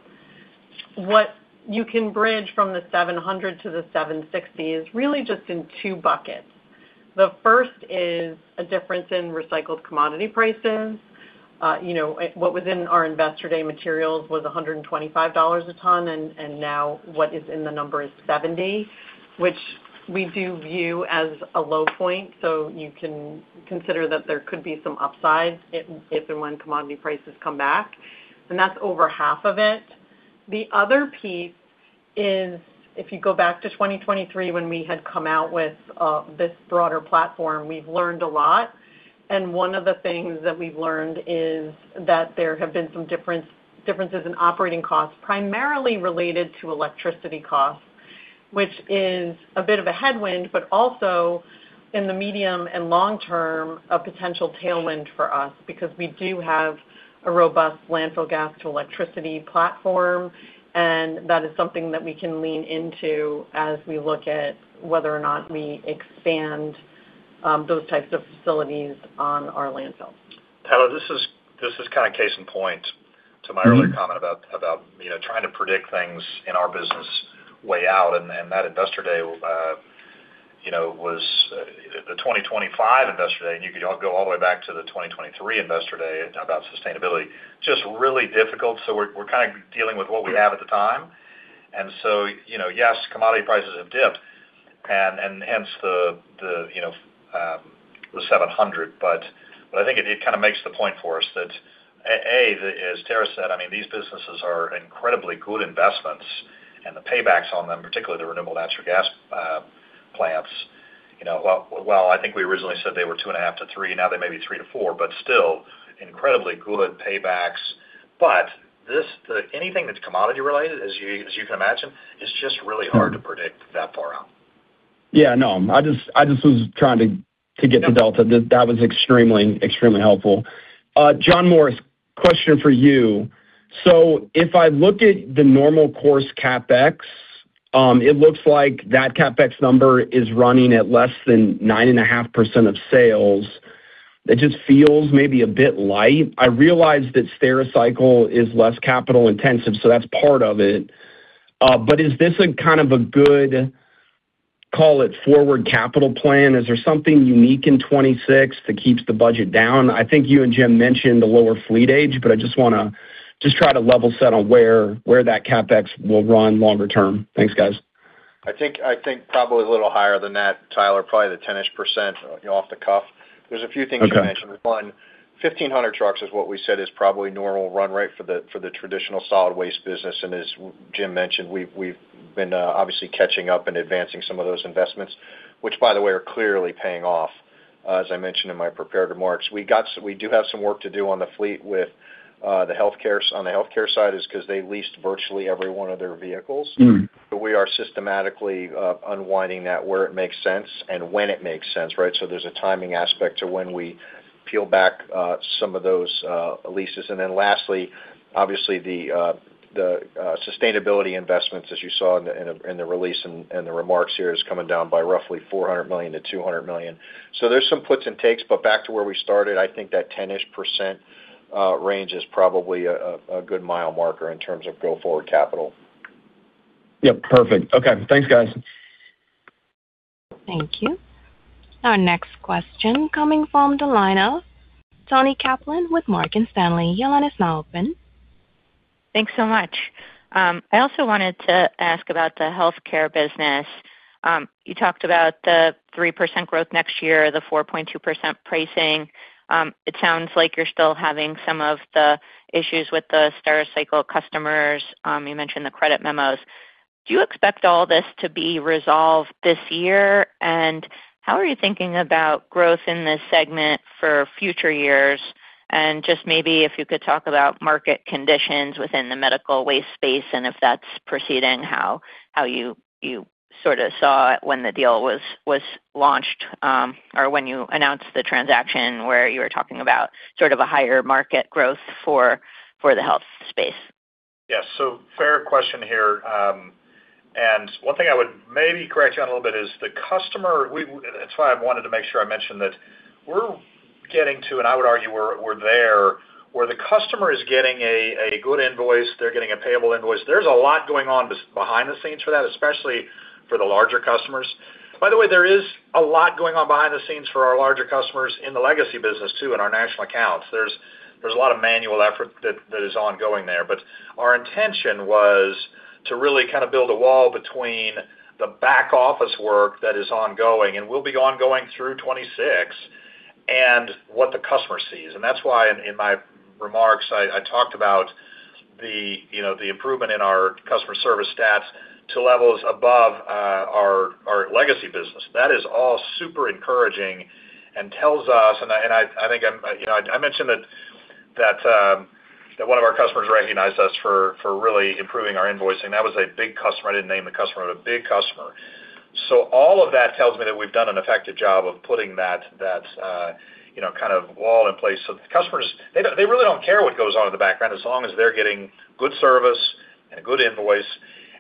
What you can bridge from the 700 to the 760 is really just in two buckets. The first is a difference in recycled commodity prices. You know, what was in our Investor Day materials was $125 a ton, and now what is in the number is 70, which we do view as a low point, so you can consider that there could be some upside if and when commodity prices come back, and that's over half of it. The other piece is, if you go back to 2023, when we had come out with this broader platform, we've learned a lot, and one of the things that we've learned is that there have been some differences in operating costs, primarily related to electricity costs, which is a bit of a headwind, but also in the medium and long term, a potential tailwind for us, because we do have a robust landfill gas to electricity platform, and that is something that we can lean into as we look at whether or not we expand those types of facilities on our landfills. Tyler, this is this is kind of case in point to my earlier comment about, about, you know, trying to predict things in our business way out. And that Investor Day, you know, was the 2025 Investor Day, and you could all go all the way back to the 2023 Investor Day about sustainability, just really difficult. So we're, we're kind of dealing with what we have at the time. And so, you know, yes, commodity prices have dipped and hence the, you know, the 700. But I think it kind of makes the point for us that, as Tara said, I mean, these businesses are incredibly good investments, and the paybacks on them, particularly the renewable natural gas plants, you know, well, I think we originally said they were 2.5-3, now they may be 3-4, but still incredibly good paybacks. But then, anything that's commodity related, as you can imagine, is just really hard to predict that far out. Yeah, no, I just was trying to get the delta. That was extremely, extremely helpful. John Morris, question for you. So if I look at the normal course CapEx, it looks like that CapEx number is running at less than 9.5% of sales. That just feels maybe a bit light. I realize that Stericycle is less capital intensive, so that's part of it. But is this a kind of a good, call it forward capital plan? Is there something unique in 2026 that keeps the budget down? I think you and Jim mentioned the lower fleet age, but I just wanna try to level set on where that CapEx will run longer term. Thanks, guys. I think, I think probably a little higher than that, Tyler, probably the 10-ish% off the cuff. Okay. There's a few things to mention. One, 1,500 trucks is what we said is probably normal run rate for the traditional solid waste business, and as Jim mentioned, we've been obviously catching up and advancing some of those investments, which, by the way, are clearly paying off, as I mentioned in my prepared remarks. We got. We do have some work to do on the fleet with the Healthcare. On the Healthcare side, 'cause they leased virtually every one of their vehicles. Mm. But we are systematically unwinding that where it makes sense and when it makes sense, right? So there's a timing aspect to when we peel back some of those leases. And then lastly, obviously, the sustainability investments, as you saw in the release and the remarks here, is coming down by roughly $400 million-$200 million. So there's some puts and takes, but back to where we started, I think that 10%-ish range is probably a good mile marker in terms of go forward capital. Yep, perfect. Okay. Thanks, guys. Thank you. Our next question coming from the line of Toni Kaplan with Morgan Stanley. Your line is now open. Thanks so much. I also wanted to ask about the Healthcare business. You talked about the 3% growth next year, the 4.2% pricing. It sounds like you're still having some of the issues with the Stericycle customers. You mentioned the credit memos. Do you expect all this to be resolved this year? And how are you thinking about growth in this segment for future years? And just maybe if you could talk about market conditions within the medical waste space, and if that's proceeding, how you sort of saw it when the deal was launched, or when you announced the transaction, where you were talking about sort of a higher market growth for the health space. Yes, so fair question here. One thing I would maybe correct you on a little bit is the customer. That's why I wanted to make sure I mentioned that we're getting to, and I would argue we're there, where the customer is getting a good invoice, they're getting a payable invoice. There's a lot going on behind the scenes for that, especially for the larger customers. By the way, there is a lot going on behind the scenes for our larger customers in the legacy business, too, in our National Accounts. There's a lot of manual effort that is ongoing there. But our intention was to really kind of build a wall between the back office work that is ongoing, and will be ongoing through 2026, and what the customer sees. And that's why in my remarks, I talked about the, you know, the improvement in our customer service stats to levels above our legacy business. That is all super encouraging and tells us, and I think I'm. You know, I mentioned that one of our customers recognized us for really improving our invoicing. That was a big customer. I didn't name the customer, but a big customer. So all of that tells me that we've done an effective job of putting that, you know, kind of wall in place. So the customers, they really don't care what goes on in the background, as long as they're getting good service and a good invoice,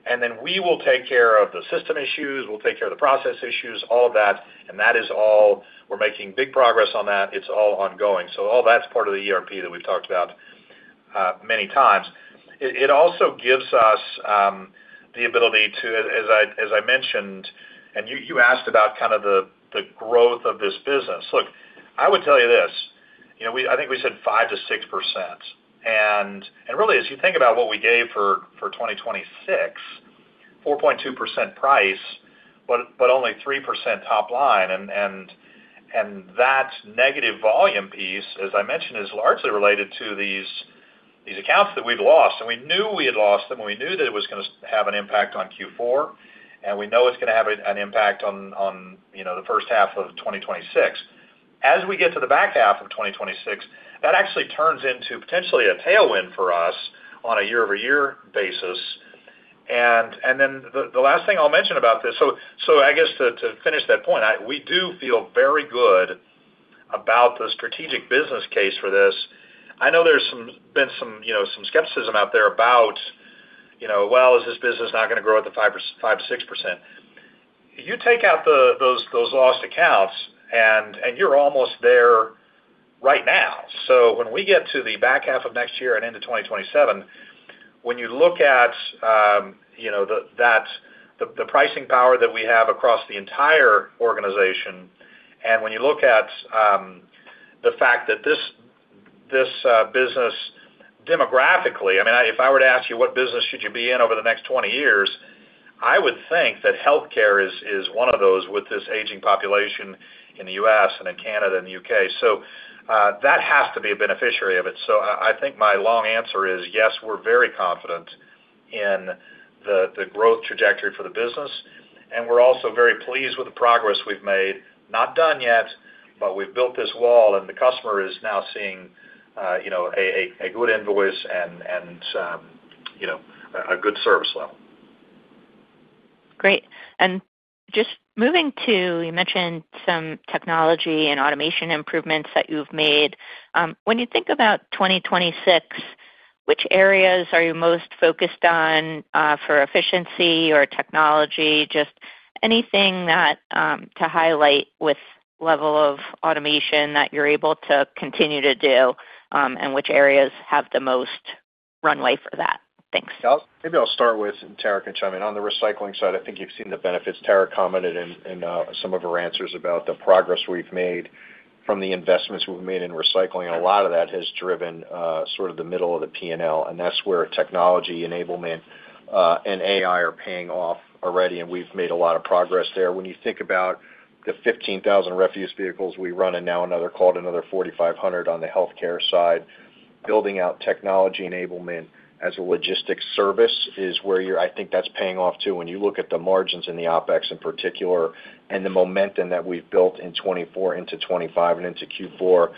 and then we will take care of the system issues, we'll take care of the process issues, all of that, and that is all... We're making big progress on that. It's all ongoing. So all that's part of the ERP that we've talked about many times. It also gives us the ability to, as I mentioned, and you asked about the growth of this business. Look, I would tell you this—you know, I think we said 5%-6%. And really, as you think about what we gave for 2026, 4.2% price, but only 3% top line. And that negative volume piece, as I mentioned, is largely related to these accounts that we've lost, and we knew we had lost them, and we knew that it was going to have an impact on Q4, and we know it's going to have an impact on, you know, the first half of 2026. As we get to the back half of 2026, that actually turns into potentially a tailwind for us on a year-over-year basis. And then the last thing I'll mention about this, so I guess to finish that point, we do feel very good about the strategic business case for this. I know there's been some, you know, some skepticism out there about, you know, well, is this business not going to grow at the 5%-6%? You take out those lost accounts, and you're almost there right now. So when we get to the back half of next year and into 2027, when you look at, you know, the pricing power that we have across the entire organization, and when you look at the fact that this business demographically... I mean, if I were to ask you, what business should you be in over the next 20 years, I would think that Healthcare is one of those with this aging population in the U.S., and in Canada, and the U.K. So, that has to be a beneficiary of it. So I think my long answer is yes, we're very confident in the growth trajectory for the business, and we're also very pleased with the progress we've made. Not done yet, but we've built this wall, and the customer is now seeing, you know, a good invoice and, you know, a good service level. Great. Just moving to, you mentioned some technology and automation improvements that you've made. When you think about 2026, which areas are you most focused on for efficiency or technology? Just anything that to highlight with level of automation that you're able to continue to do, and which areas have the most runway for that? Thanks. Maybe I'll start with, and Tara can chime in. On the Recycling side, I think you've seen the benefits. Tara commented in some of her answers about the progress we've made from the investments we've made in Recycling, and a lot of that has driven sort of the middle of the P&L, and that's where technology enablement and AI are paying off already, and we've made a lot of progress there. When you think about the 15,000 refuse vehicles we run and now another, call it another 4,500 on the Healthcare side, building out technology enablement as a logistics service is where you're I think that's paying off, too. When you look at the margins in the OpEx in particular, and the momentum that we've built in 2024 into 2025 and into Q4,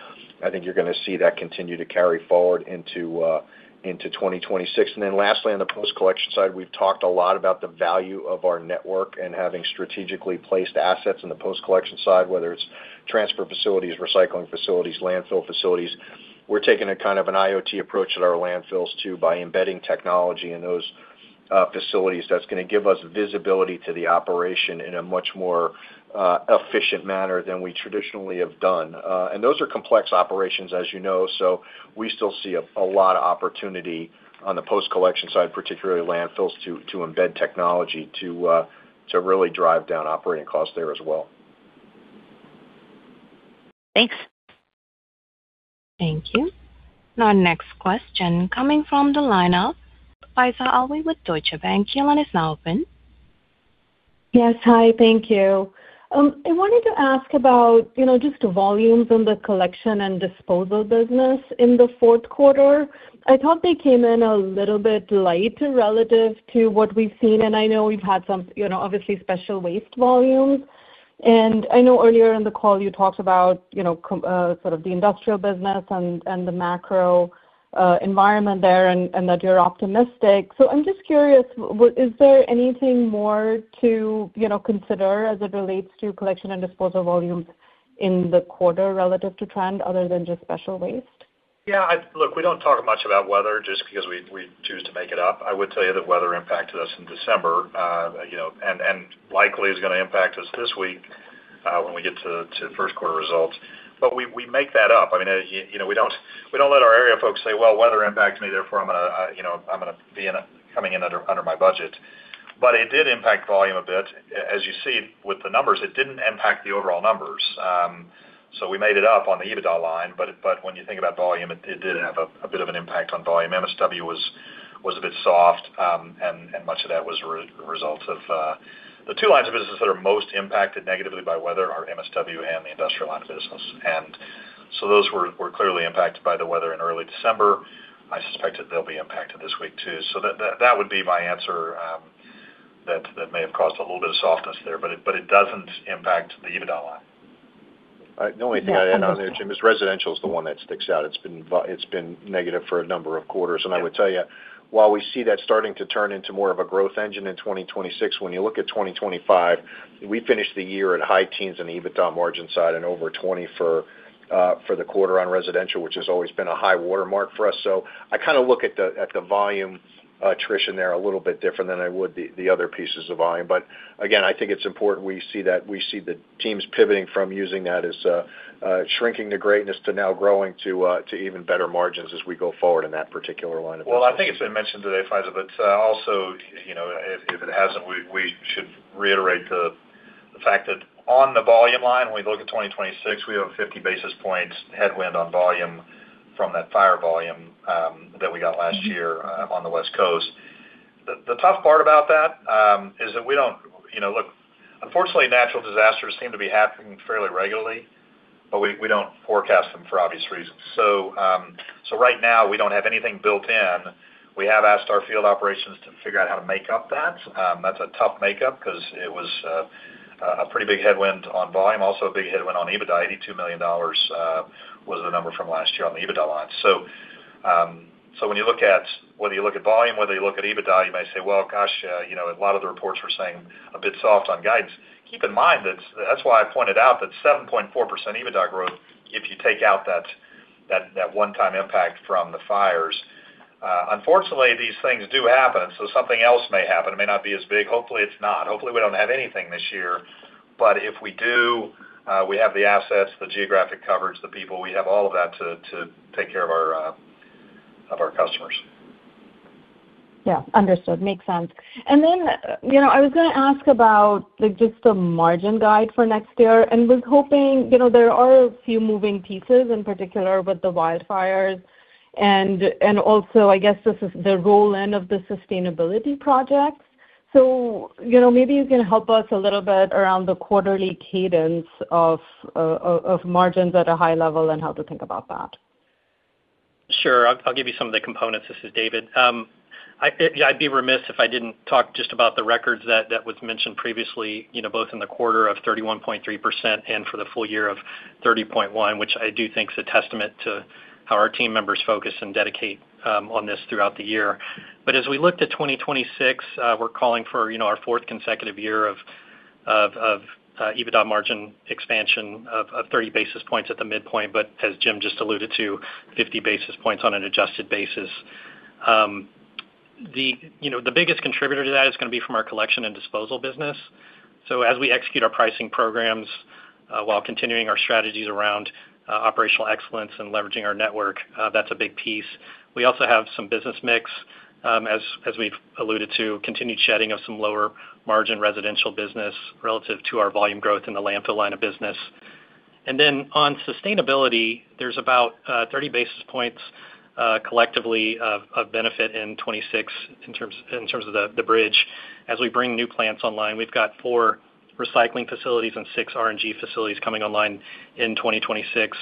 I think you're gonna see that continue to carry forward into 2026. Then lastly, on the post-collection side, we've talked a lot about the value of our network and having strategically placed assets in the post-collection side, whether it's transfer facilities, Recycling facilities, landfill facilities. We're taking a kind of an IoT approach at our landfills, too, by embedding technology in those facilities. That's gonna give us visibility to the operation in a much more efficient manner than we traditionally have done. And those are complex operations, as you know, so we still see a lot of opportunity on the post-collection side, particularly landfills, to embed technology to really drive down operating costs there as well. Thanks. Thank you. Our next question coming from the line of Faiza Alwy with Deutsche Bank. Your line is now open. Yes. Hi, thank you. I wanted to ask about, you know, just the volumes in the Collection and Disposal business in the fourth quarter. I thought they came in a little bit light relative to what we've seen, and I know we've had some, you know, obviously, special waste volumes. And I know earlier in the call you talked about, you know, sort of the industrial business and the macro environment there, and that you're optimistic. So I'm just curious, is there anything more to, you know, consider as it relates to Collection and Disposal volumes in the quarter relative to trend other than just special waste? Yeah, look, we don't talk much about weather just because we choose to make it up. I would tell you that weather impacted us in December, you know, and likely is gonna impact us this week when we get to the first quarter results. But we make that up. I mean, you know, we don't let our area folks say, "Well, weather impacts me, therefore I'm gonna, you know, I'm gonna be coming in under my budget." But it did impact volume a bit. As you see with the numbers, it didn't impact the overall numbers. So we made it up on the EBITDA line, but when you think about volume, it did have a bit of an impact on volume. MSW was a bit soft, and much of that was a result of... The two lines of business that are most impacted negatively by weather are MSW and the industrial line of business. And so those were clearly impacted by the weather in early December. I suspect that they'll be impacted this week, too. So that would be my answer, that may have caused a little bit of softness there, but it doesn't impact the EBITDA line. Yeah. The only thing I'd add on there, Jim, is residential is the one that sticks out. It's been negative for a number of quarters. I would tell you, while we see that starting to turn into more of a growth engine in 2026, when you look at 2025, we finished the year at high teens on the EBITDA margin side and over 20 for the quarter on residential, which has always been a high watermark for us. I kind of look at the volume attrition there a little bit different than I would the other pieces of volume. But again, I think it's important we see that, we see the teams pivoting from using that as shrinking to greatness to now growing to even better margins as we go forward in that particular line of business. Well, I think it's been mentioned today, Faiza, but also, you know, if it hasn't, we should reiterate the... The fact that on the volume line, when we look at 2026, we have a 50 basis points headwind on volume from that fire volume that we got last year on the West Coast. The tough part about that is that we don't- you know, look, unfortunately, natural disasters seem to be happening fairly regularly, but we don't forecast them for obvious reasons. So, so right now, we don't have anything built in. We have asked our field operations to figure out how to make up that. That's a tough makeup because it was a pretty big headwind on volume, also a big headwind on EBITDA. $82 million was the number from last year on the EBITDA line. So, so when you look at, whether you look at volume, whether you look at EBITDA, you may say, "Well, gosh, you know, a lot of the reports were saying a bit soft on guidance." Keep in mind that's, that's why I pointed out that 7.4% EBITDA growth, if you take out that, that, that one-time impact from the fires. Unfortunately, these things do happen, so something else may happen. It may not be as big. Hopefully, it's not. Hopefully, we don't have anything this year, but if we do, we have the assets, the geographic coverage, the people, we have all of that to, to take care of our, of our customers. Yeah. Understood. Makes sense. And then, you know, I was gonna ask about, like, just the margin guide for next year, and was hoping, you know, there are a few moving pieces, in particular with the wildfires, and also, I guess, this is the roll-in of the sustainability projects. So, you know, maybe you can help us a little bit around the quarterly cadence of margins at a high level and how to think about that. Sure. I'll give you some of the components. This is David. Yeah, I'd be remiss if I didn't talk just about the records that, that was mentioned previously, you know, both in the quarter of 31.3% and for the full year of 30.1%, which I do think is a testament to how our team members focus and dedicate on this throughout the year. But as we look to 2026, we're calling for, you know, our fourth consecutive year of EBITDA margin expansion of 30 basis points at the midpoint, but as Jim just alluded to, 50 basis points on an adjusted basis. You know, the biggest contributor to that is gonna be from our Collection and Disposal business. So as we execute our pricing programs, while continuing our strategies around, operational excellence and leveraging our network, that's a big piece. We also have some business mix, as we've alluded to, continued shedding of some lower margin residential business relative to our volume growth in the landfill line of business. And then on sustainability, there's about, 30 basis points, collectively of benefit in 2026 in terms of the bridge. As we bring new plants online, we've got 4 Recycling facilities and 6 RNG facilities coming online in 2026.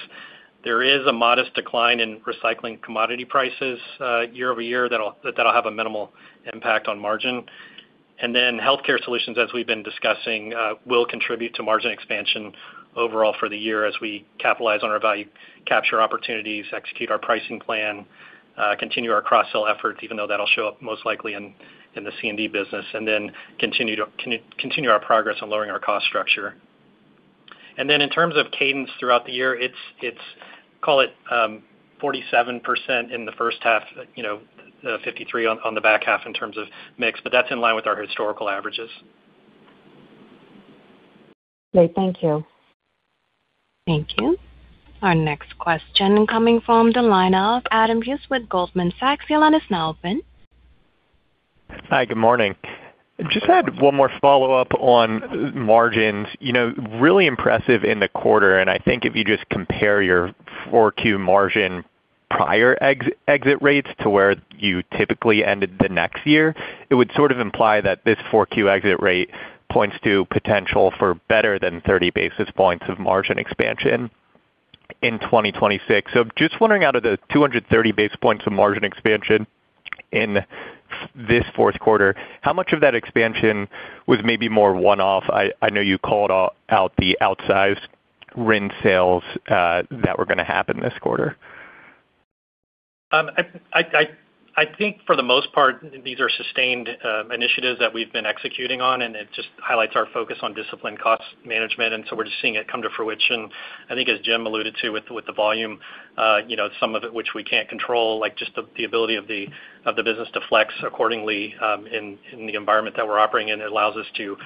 There is a modest decline in Recycling commodity prices, year-over-year, that'll have a minimal impact on margin. And then Healthcare Solutions, as we've been discussing, will contribute to margin expansion overall for the year as we capitalize on our value capture opportunities, execute our pricing plan, continue our cross-sell efforts, even though that'll show up most likely in the C&D business, and then continue our progress on lowering our cost structure. And then in terms of cadence throughout the year, it's call it 47% in the first half, you know, 53 on the back half in terms of mix, but that's in line with our historical averages. Great. Thank you. Thank you. Our next question coming from the line of Adam Bubes with Goldman Sachs. Your line is now open. Hi, good morning. Just had one more follow-up on margins. You know, really impressive in the quarter, and I think if you just compare your Q4 margin prior exit rates to where you typically ended the next year, it would sort of imply that this Q4 exit rate points to potential for better than 30 basis points of margin expansion in 2026. So just wondering, out of the 230 basis points of margin expansion in this fourth quarter, how much of that expansion was maybe more one-off? I know you called out the outsized RIN sales that were gonna happen this quarter. I think for the most part, these are sustained initiatives that we've been executing on, and it just highlights our focus on disciplined cost management, and so we're just seeing it come to fruition. I think, as Jim alluded to with the volume, you know, some of it, which we can't control, like just the ability of the business to flex accordingly in the environment that we're operating in, it allows us to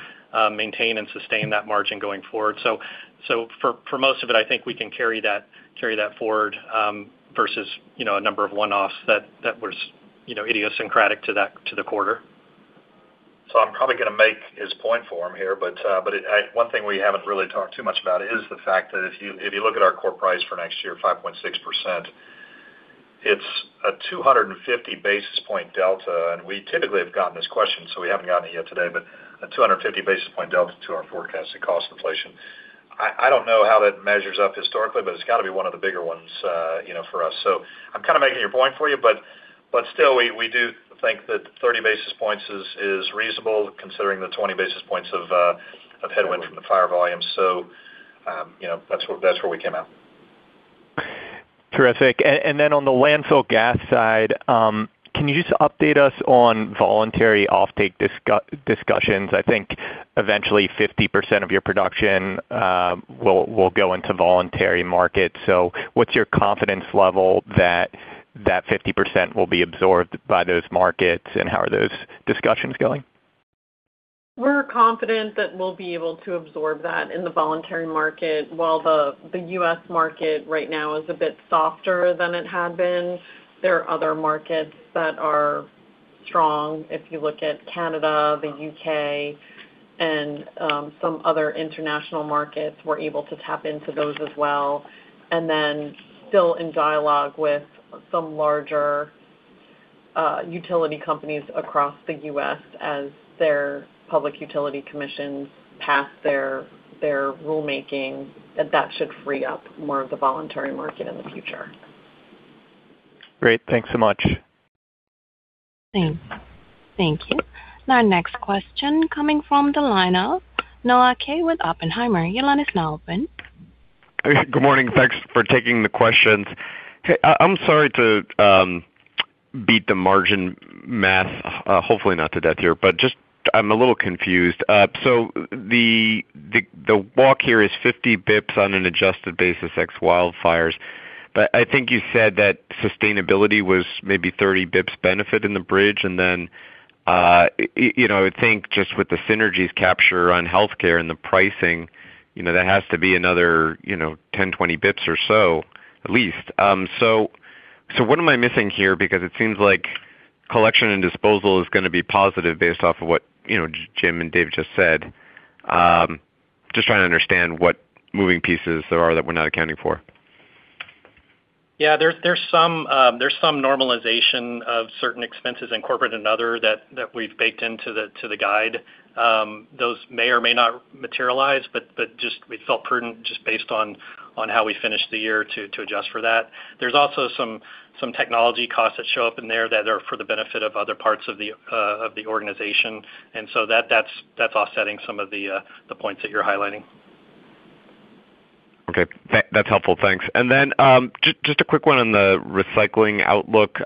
maintain and sustain that margin going forward. So for most of it, I think we can carry that forward versus a number of one-offs that was idiosyncratic to that quarter. So I'm probably gonna make his point for him here, but, One thing we haven't really talked too much about is the fact that if you, if you look at our core price for next year, 5.6%, it's a 250 basis point delta, and we typically have gotten this question, so we haven't gotten it yet today, but a 250 basis point delta to our forecasted cost inflation. I don't know how that measures up historically, but it's got to be one of the bigger ones, you know, for us. So I'm kind of making your point for you, but still, we do think that 30 basis points is reasonable, considering the 20 basis points of headwind from the fire volume. You know, that's where, that's where we came out. Terrific. And then on the landfill gas side, can you just update us on voluntary offtake discussions? I think eventually 50% of your production will go into voluntary markets. So what's your confidence level that that 50% will be absorbed by those markets, and how are those discussions going? We're confident that we'll be able to absorb that in the voluntary market. While the U.S. market right now is a bit softer than it had been, there are other markets that are strong. If you look at Canada, the U.K., and some other international markets, we're able to tap into those as well, and then still in dialogue with some larger utility companies across the U.S. as their public utility commissions pass their rulemaking, that should free up more of the voluntary market in the future. Great. Thanks so much. Thank you. Our next question coming from the line of Noah Kaye with Oppenheimer. Your line is now open. Good morning. Thanks for taking the questions. Hey, I'm sorry to beat the margin math, hopefully, not to death here, but just I'm a little confused. So the walk here is 50 basis points on an adjusted basis, ex wildfires. But I think you said that sustainability was maybe 30 basis points benefit in the bridge, and then, you know, I would think just with the synergies capture on healthcare and the pricing, you know, that has to be another, you know, 10, 20 basis points or so, at least. So, what am I missing here? Because it seems like Collection and Disposal is gonna be positive based off of what, you know, Jim and Dave just said. Just trying to understand what moving pieces there are that we're not accounting for. Yeah, there's some normalization of certain expenses in corporate and other that we've baked into the guide. Those may or may not materialize, but just we felt prudent just based on how we finished the year to adjust for that. There's also some technology costs that show up in there that are for the benefit of other parts of the organization, and so that's offsetting some of the points that you're highlighting. Okay. That's helpful. Thanks. And then, just a quick one on the Recycling outlook.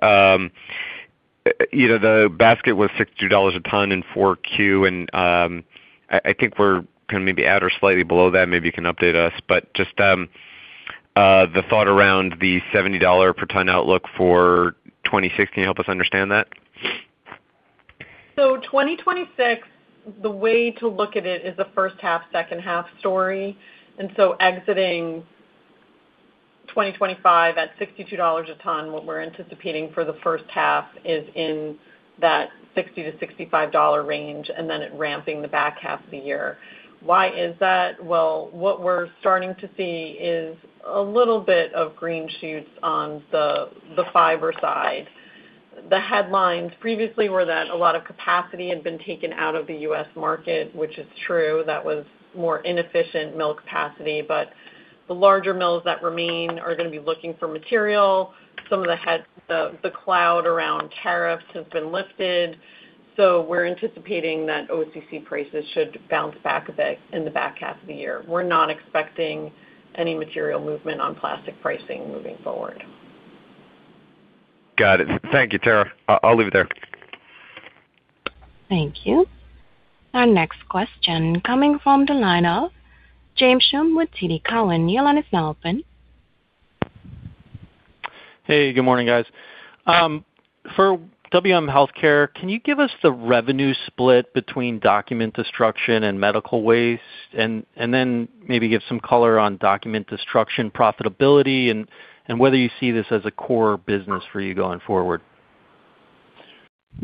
You know, the basket was $62 a ton in 4Q, and I think we're kind of maybe at or slightly below that. Maybe you can update us, but just the thought around the $70 per ton outlook for 2026, help us understand that? So 2026, the way to look at it is a first half, second half story. And so exiting 2025 at $62 a ton, what we're anticipating for the first half is in that $60-$65 dollar range, and then it ramping the back half of the year. Why is that? Well, what we're starting to see is a little bit of green shoots on the fiber side. The headlines previously were that a lot of capacity had been taken out of the U.S. market, which is true. That was more inefficient mill capacity, but the larger mills that remain are gonna be looking for material. The cloud around tariffs have been lifted, so we're anticipating that OCC prices should bounce back a bit in the back half of the year. We're not expecting any material movement on plastic pricing moving forward. Got it. Thank you, Tara. I, I'll leave it there. Thank you. Our next question coming from the line of James Schumm with TD Cowen. Your line is now open. Hey, good morning, guys. For WM Healthcare, can you give us the revenue split between document destruction and medical waste? And then maybe give some color on document destruction, profitability, and whether you see this as a core business for you going forward.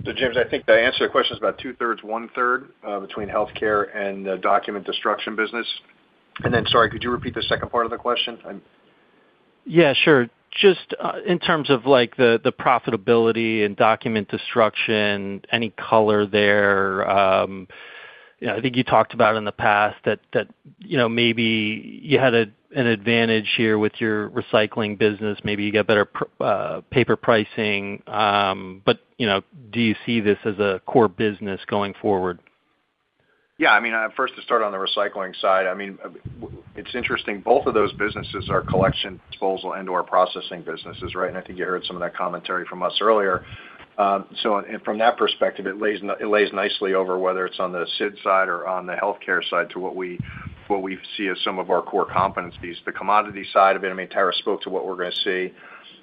So, James, I think the answer to the question is about two-thirds, one-third, between Healthcare and the document destruction business. And then, sorry, could you repeat the second part of the question? I'm- Yeah, sure. Just in terms of, like, the profitability and document destruction, any color there? You know, I think you talked about in the past that you know, maybe you had an advantage here with your Recycling business. Maybe you get better paper pricing, but, you know, do you see this as a core business going forward? Yeah, I mean, first, to start on the Recycling side, I mean, it's interesting, both of those businesses are collection, disposal, and/or processing businesses, right? And I think you heard some of that commentary from us earlier. So and from that perspective, it lays nicely over, whether it's on the Stericycle side or on the Healthcare side, to what we, what we see as some of our core competencies. The commodity side of it, I mean, Tara spoke to what we're gonna see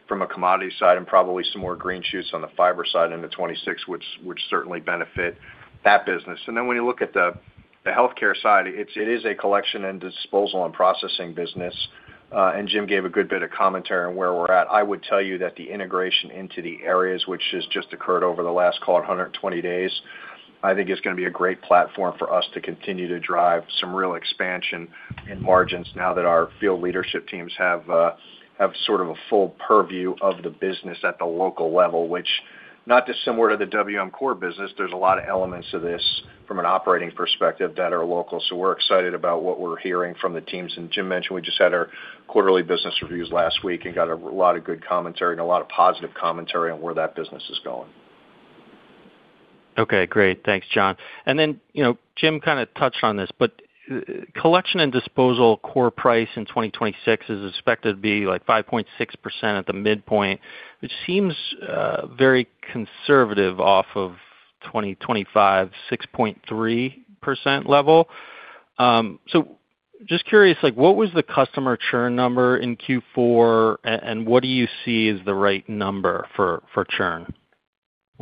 from a commodity side and probably some more green shoots on the fiber side into 2026, which, which certainly benefit that business. And then when you look at the, the Healthcare side, it's, it is a Collection and Disposal and processing business, and Jim gave a good bit of commentary on where we're at. I would tell you that the integration into the areas which has just occurred over the last, call it, 120 days, I think is gonna be a great platform for us to continue to drive some real expansion in margins now that our field leadership teams have have sort of a full purview of the business at the local level, which not dissimilar to the WM core business, there's a lot of elements to this from an operating perspective that are local. So we're excited about what we're hearing from the teams. And Jim mentioned we just had our quarterly business reviews last week and got a lot of good commentary and a lot of positive commentary on where that business is going. Okay, great. Thanks, John. And then, you know, Jim kind of touched on this, but Collection and Disposal core price in 2026 is expected to be, like, 5.6% at the midpoint, which seems very conservative off of 2025, 6.3% level. So just curious, like, what was the customer churn number in Q4, and what do you see as the right number for, for churn? What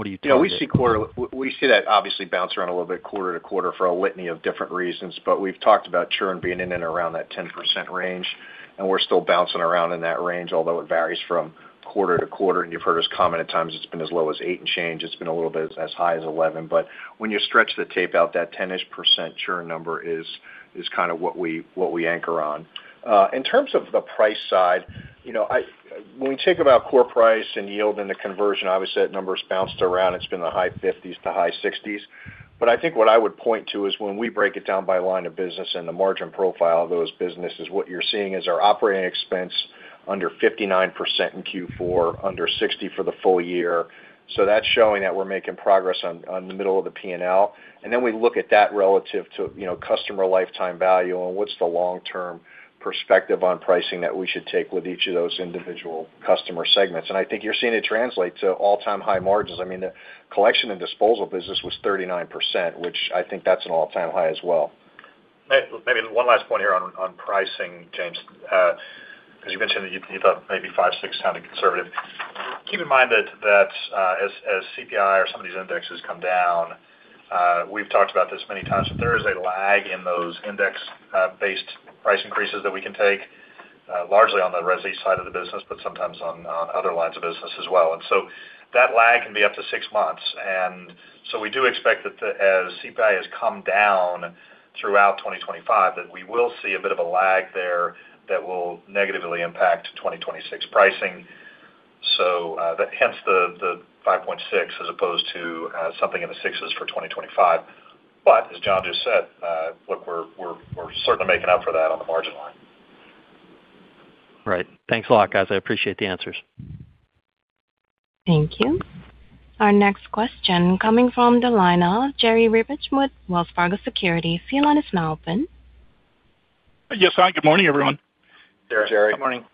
do you tell- Yeah, we see quarter... We see that obviously bounce around a little bit quarter to quarter for a litany of different reasons, but we've talked about churn being in and around that 10% range, and we're still bouncing around in that range, although it varies from quarter to quarter, and you've heard us comment at times, it's been as low as eight and change. It's been a little bit as high as 11, but when you stretch the tape out, that 10-ish% churn number is, is kind of what we, what we anchor on. In terms of the price side, you know, I when we think about core price and yield and the conversion, obviously, that number's bounced around. It's been in the high 50s-high 60s. But I think what I would point to is when we break it down by line of business and the margin profile of those businesses, what you're seeing is our operating expense under 59% in Q4, under 60% for the full year. So that's showing that we're making progress on, on the middle of the P&L. And then we look at that relative to, you know, customer lifetime value and what's the long-term perspective on pricing that we should take with each of those individual customer segments. And I think you're seeing it translate to all-time high margins. I mean, the Collection and Disposal business was 39%, which I think that's an all-time high as well. Maybe one last point here on pricing, James. As you mentioned, that you thought maybe 5, 6 sounded conservative. Keep in mind that as CPI or some of these indexes come down, we've talked about this many times, that there is a lag in those index based price increases that we can take largely on the resi side of the business, but sometimes on other lines of business as well. And so that lag can be up to six months. And so we do expect that as CPI has come down throughout 2025, that we will see a bit of a lag there that will negatively impact 2026 pricing. So hence the 5.6 as opposed to something in the sixes for 2025. But as John just said, look, we're certainly making up for that on the margin line. Right. Thanks a lot, guys. I appreciate the answers. Thank you. Our next question coming from the line of Jerry Revich with Wells Fargo Securities. Your line is now open. Yes, hi, good morning, everyone. Hey, Jerry. Good morning.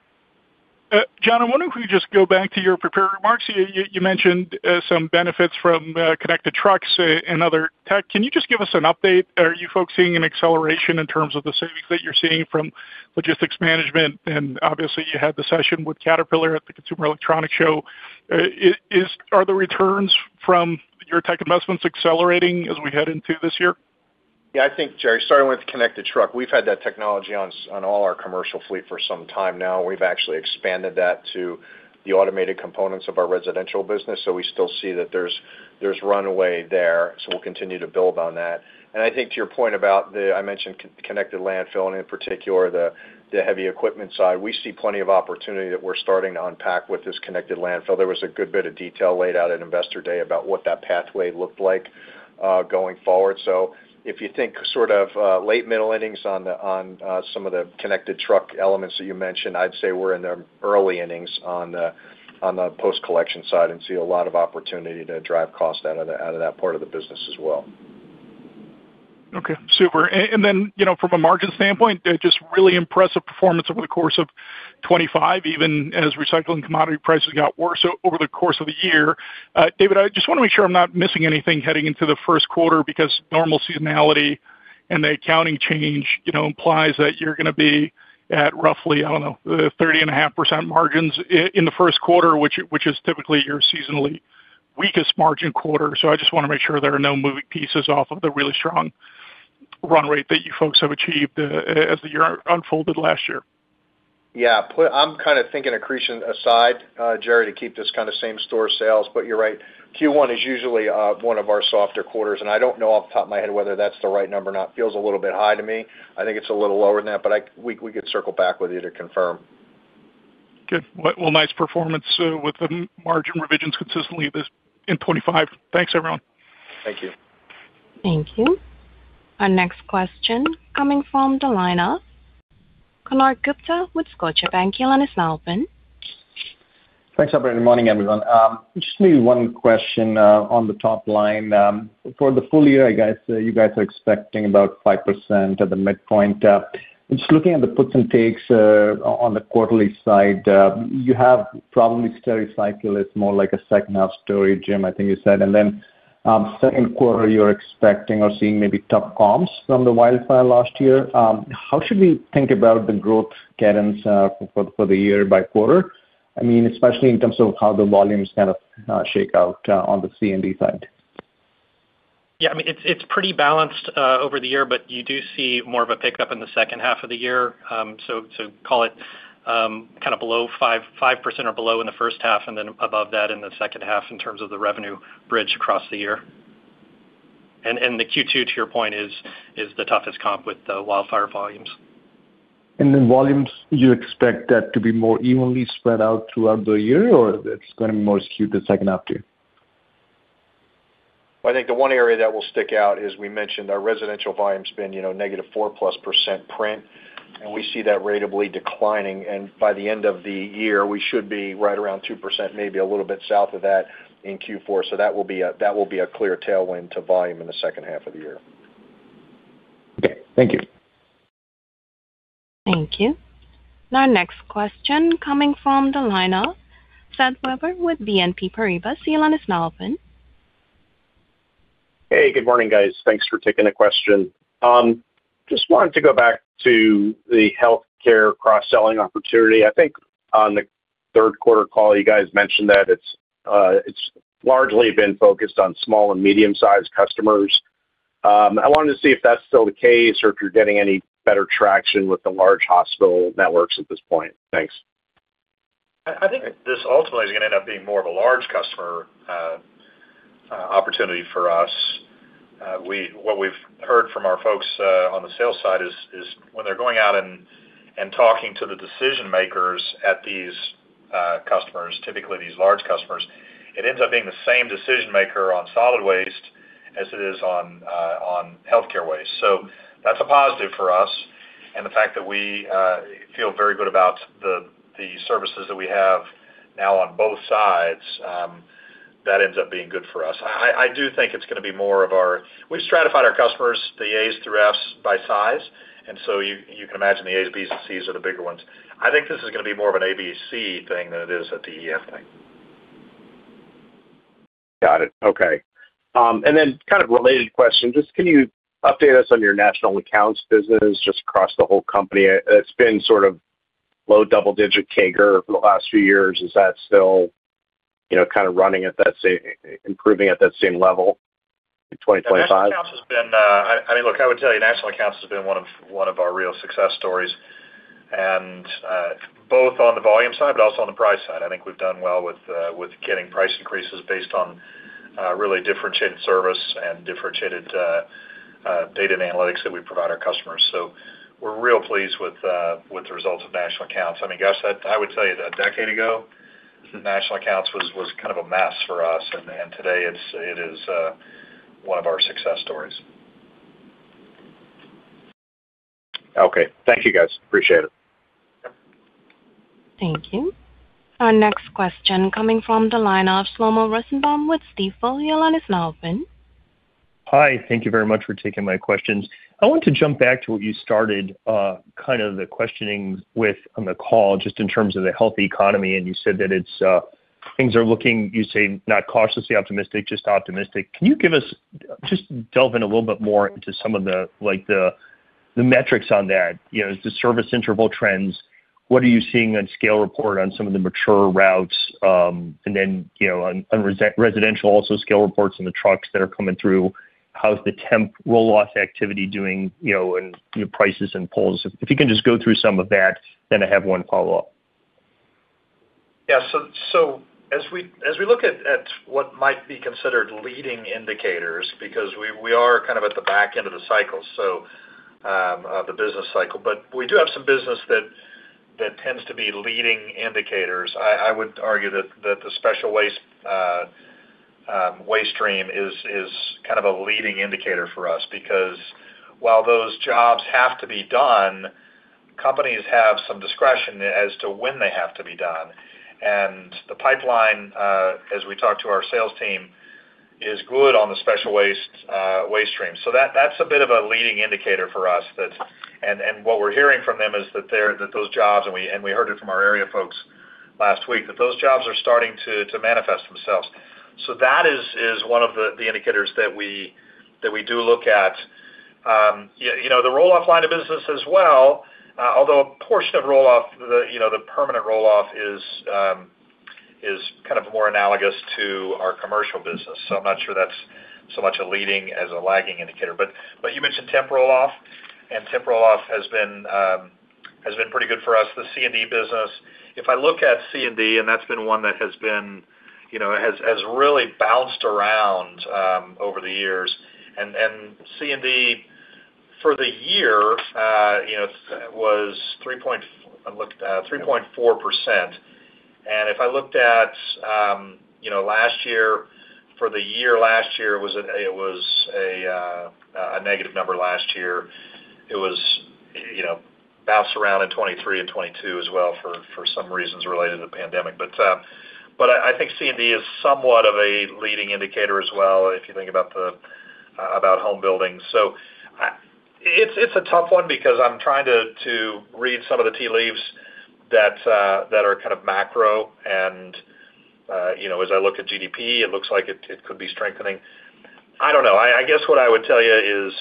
John, I wonder if we just go back to your prepared remarks. You mentioned some benefits from connected trucks and other tech. Can you just give us an update? Are you folks seeing an acceleration in terms of the savings that you're seeing from logistics management? And obviously, you had the session with Caterpillar at the Consumer Electronics Show. Are the returns from your tech investments accelerating as we head into this year? Yeah, I think, Jerry, starting with connected truck, we've had that technology on all our commercial fleet for some time now. We've actually expanded that to the automated components of our residential business, so we still see that there's, there's runway there, so we'll continue to build on that. And I think to your point about the, I mentioned connected landfill, and in particular, the, the heavy equipment side, we see plenty of opportunity that we're starting to unpack with this connected landfill. There was a good bit of detail laid out at Investor Day about what that pathway looked like, going forward. So if you think sort of late middle innings on some of the connected truck elements that you mentioned, I'd say we're in the early innings on the post-collection side and see a lot of opportunity to drive cost out of that part of the business as well. Okay, super. Then, you know, from a margin standpoint, they're just really impressive performance over the course of 2025, even as Recycling commodity prices got worse over the course of the year. David, I just want to make sure I'm not missing anything heading into the first quarter, because normal seasonality and the accounting change, you know, implies that you're going to be at roughly, I don't know, 30.5% margins in the first quarter, which, which is typically your seasonally weakest margin quarter. So I just want to make sure there are no moving pieces off of the really strong run rate that you folks have achieved, as the year unfolded last year. Yeah, I'm kind of thinking accretion aside, Jerry, to keep this kind of same store sales, but you're right. Q1 is usually one of our softer quarters, and I don't know off the top of my head whether that's the right number or not. Feels a little bit high to me. I think it's a little lower than that, but we could circle back with you to confirm. Good. Well, well, nice performance, with the margin revisions consistently this in 25. Thanks, everyone. Thank you. Thank you. Our next question coming from the line of Konark Gupta with Scotiabank. Your line is now open. Thanks, everyone, good morning, everyone. Just maybe one question on the top line. For the full year, I guess, you guys are expecting about 5% at the midpoint. Just looking at the puts and takes on the quarterly side, you have probably Stericycle. It's more like a second half story, Jim, I think you said. And then, second quarter, you're expecting or seeing maybe tough comps from the wildfire last year. How should we think about the growth cadence for the year by quarter? I mean, especially in terms of how the volumes kind of shake out on the CND side. Yeah, I mean, it's pretty balanced over the year, but you do see more of a pickup in the second half of the year. So call it kind of below 5.5% or below in the first half and then above that in the second half in terms of the revenue bridge across the year. The Q2, to your point, is the toughest comp with the wildfire volumes. And then volumes, you expect that to be more evenly spread out throughout the year, or it's going to be more skewed to the second half too? I think the one area that will stick out, as we mentioned, our residential volume has been, you know, negative 4%+ print, and we see that ratably declining. By the end of the year, we should be right around 2%, maybe a little bit south of that in Q4. That will be a clear tailwind to volume in the second half of the year. Okay. Thank you. Thank you. Our next question coming from the line of Seth Weber with BNP Paribas. Your line is now open. Hey, good morning, guys. Thanks for taking the question. Just wanted to go back to the Healthcare cross-selling opportunity. I think on the third quarter call, you guys mentioned that it's, it's largely been focused on small and medium-sized customers. I wanted to see if that's still the case, or if you're getting any better traction with the large hospital networks at this point? Thanks. I think this ultimately is gonna end up being more of a large customer opportunity for us. What we've heard from our folks on the sales side is when they're going out and talking to the decision makers at these customers, typically these large customers, it ends up being the same decision maker on solid waste as it is on Healthcare waste. So that's a positive for us, and the fact that we feel very good about the services that we have now on both sides, that ends up being good for us. I do think it's gonna be more of our... We've stratified our customers, the A's through F's by size, and so you can imagine the A's, B's, and C's are the bigger ones. I think this is gonna be more of an ABC thing than it is a DEF thing. Got it. Okay. And then kind of related question, just can you update us on your National Accounts business just across the whole company? It's been sort of low double-digit CAGR for the last few years. Is that still, you know, kind of running at that same, improving at that same level in 2025? National accounts has been, I mean, look, I would tell you National Accounts has been one of our real success stories, and both on the volume side, but also on the price side. I think we've done well with getting price increases based on really differentiated service and differentiated data and analytics that we provide our customers. So we're real pleased with the results of National Accounts. I mean, gosh, I would tell you that a decade ago, National Accounts was kind of a mess for us, and today it is one of our success stories. Okay. Thank you, guys. Appreciate it. Thank you. Our next question coming from the line of Shlomo Rosenbaum with Stifel. Your line is now open. Hi. Thank you very much for taking my questions. I want to jump back to what you started, kind of the questioning with on the call, just in terms of the healthy economy, and you said that it's, things are looking, you say, not cautiously optimistic, just optimistic. Can you give us, just delve in a little bit more into some of the, like, the, the metrics on that? You know, is the service interval trends, what are you seeing on scale report on some of the mature routes, and then, you know, on, on residential, also scale reports on the trucks that are coming through, how's the temp roll-off activity doing, you know, and, you know, prices and pulls? If you can just go through some of that, then I have one follow-up. Yeah. So as we look at what might be considered leading indicators, because we are kind of at the back end of the cycle, so the business cycle, but we do have some business that tends to be leading indicators. I would argue that the special waste waste stream is kind of a leading indicator for us, because while those jobs have to be done, companies have some discretion as to when they have to be done. And the pipeline, as we talk to our sales team, is good on the special waste waste stream. So that's a bit of a leading indicator for us that... And what we're hearing from them is that those jobs, and we heard it from our area folks last week, that those jobs are starting to manifest themselves. So that is one of the indicators that we do look at. Yeah, you know, the roll-off line of business as well, although a portion of roll-off, the permanent roll-off is kind of more analogous to our commercial business, so I'm not sure that's so much a leading as a lagging indicator. But you mentioned temp roll-off, and temp roll-off has been pretty good for us. The C&D business. If I look at C&D, and that's been one that has been, you know, has really bounced around over the years, and C&D for the year, you know, was 3.4%. And if I looked at, you know, last year, for the year last year, it was a, it was a negative number last year. It was, you know, bounced around in 2023 and 2022 as well for some reasons related to the pandemic. But I think C&D is somewhat of a leading indicator as well, if you think about the about home building. So it's a tough one because I'm trying to read some of the tea leaves that are kind of macro and, you know, as I look at GDP, it looks like it could be strengthening. I don't know. I guess what I would tell you is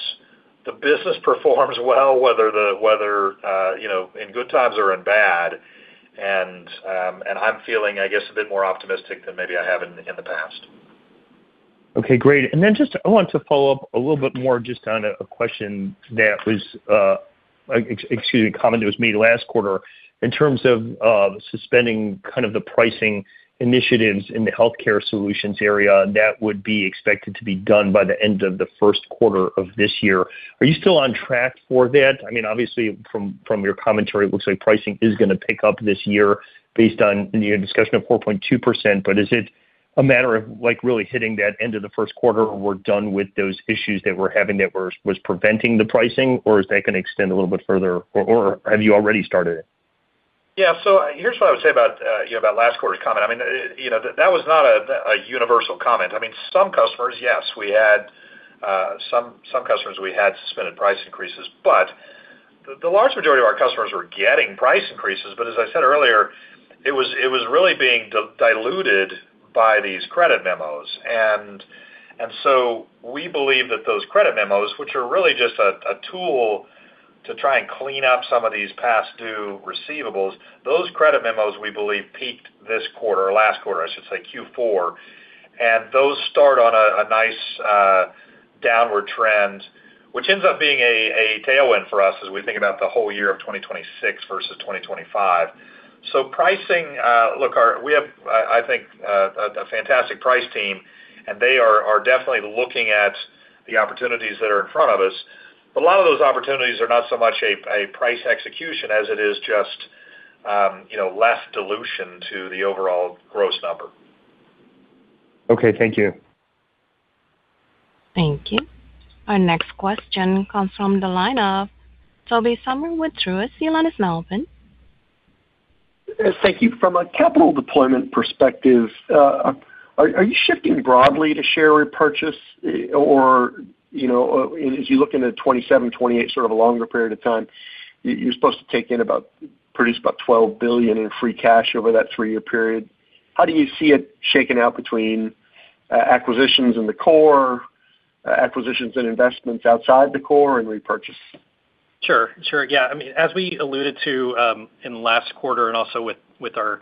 the business performs well, whether, you know, in good times or in bad, and I'm feeling, I guess, a bit more optimistic than maybe I have in the past. Okay, great. And then just I want to follow up a little bit more just on a, a question that was, excuse me, a comment that was made last quarter in terms of, suspending kind of the pricing initiatives in the Healthcare Solutions area, that would be expected to be done by the end of the first quarter of this year. Are you still on track for that? I mean, obviously, from your commentary, it looks like pricing is gonna pick up this year based on your discussion of 4.2%. But is it a matter of, like, really hitting that end of the first quarter or we're done with those issues that we're having that was preventing the pricing, or is that gonna extend a little bit further, or have you already started it? Yeah, so here's what I would say about, you know, about last quarter's comment. I mean, you know, that was not a universal comment. I mean, some customers, yes, we had some customers we had suspended price increases, but the large majority of our customers were getting price increases. But as I said earlier, it was really being diluted by these credit memos. And so we believe that those credit memos, which are really just a tool to try and clean up some of these past due receivables. Those credit memos, we believe, peaked this quarter, or last quarter, I should say, Q4. And those start on a nice downward trend, which ends up being a tailwind for us as we think about the whole year of 2026 versus 2025. So pricing, look, we have, I think, a fantastic price team, and they are definitely looking at the opportunities that are in front of us. But a lot of those opportunities are not so much a price execution as it is just, you know, less dilution to the overall gross number. Okay, thank you. Thank you. Our next question comes from the line of Tobey Sommer with Truist. Your line is now open. Thank you. From a capital deployment perspective, are you shifting broadly to share repurchase? Or, you know, as you look into 2027, 2028, sort of a longer period of time, you're supposed to produce about $12 billion in free cash over that three-year period. How do you see it shaking out between acquisitions in the core, acquisitions and investments outside the core and repurchase? Sure, sure. Yeah, I mean, as we alluded to in the last quarter and also with our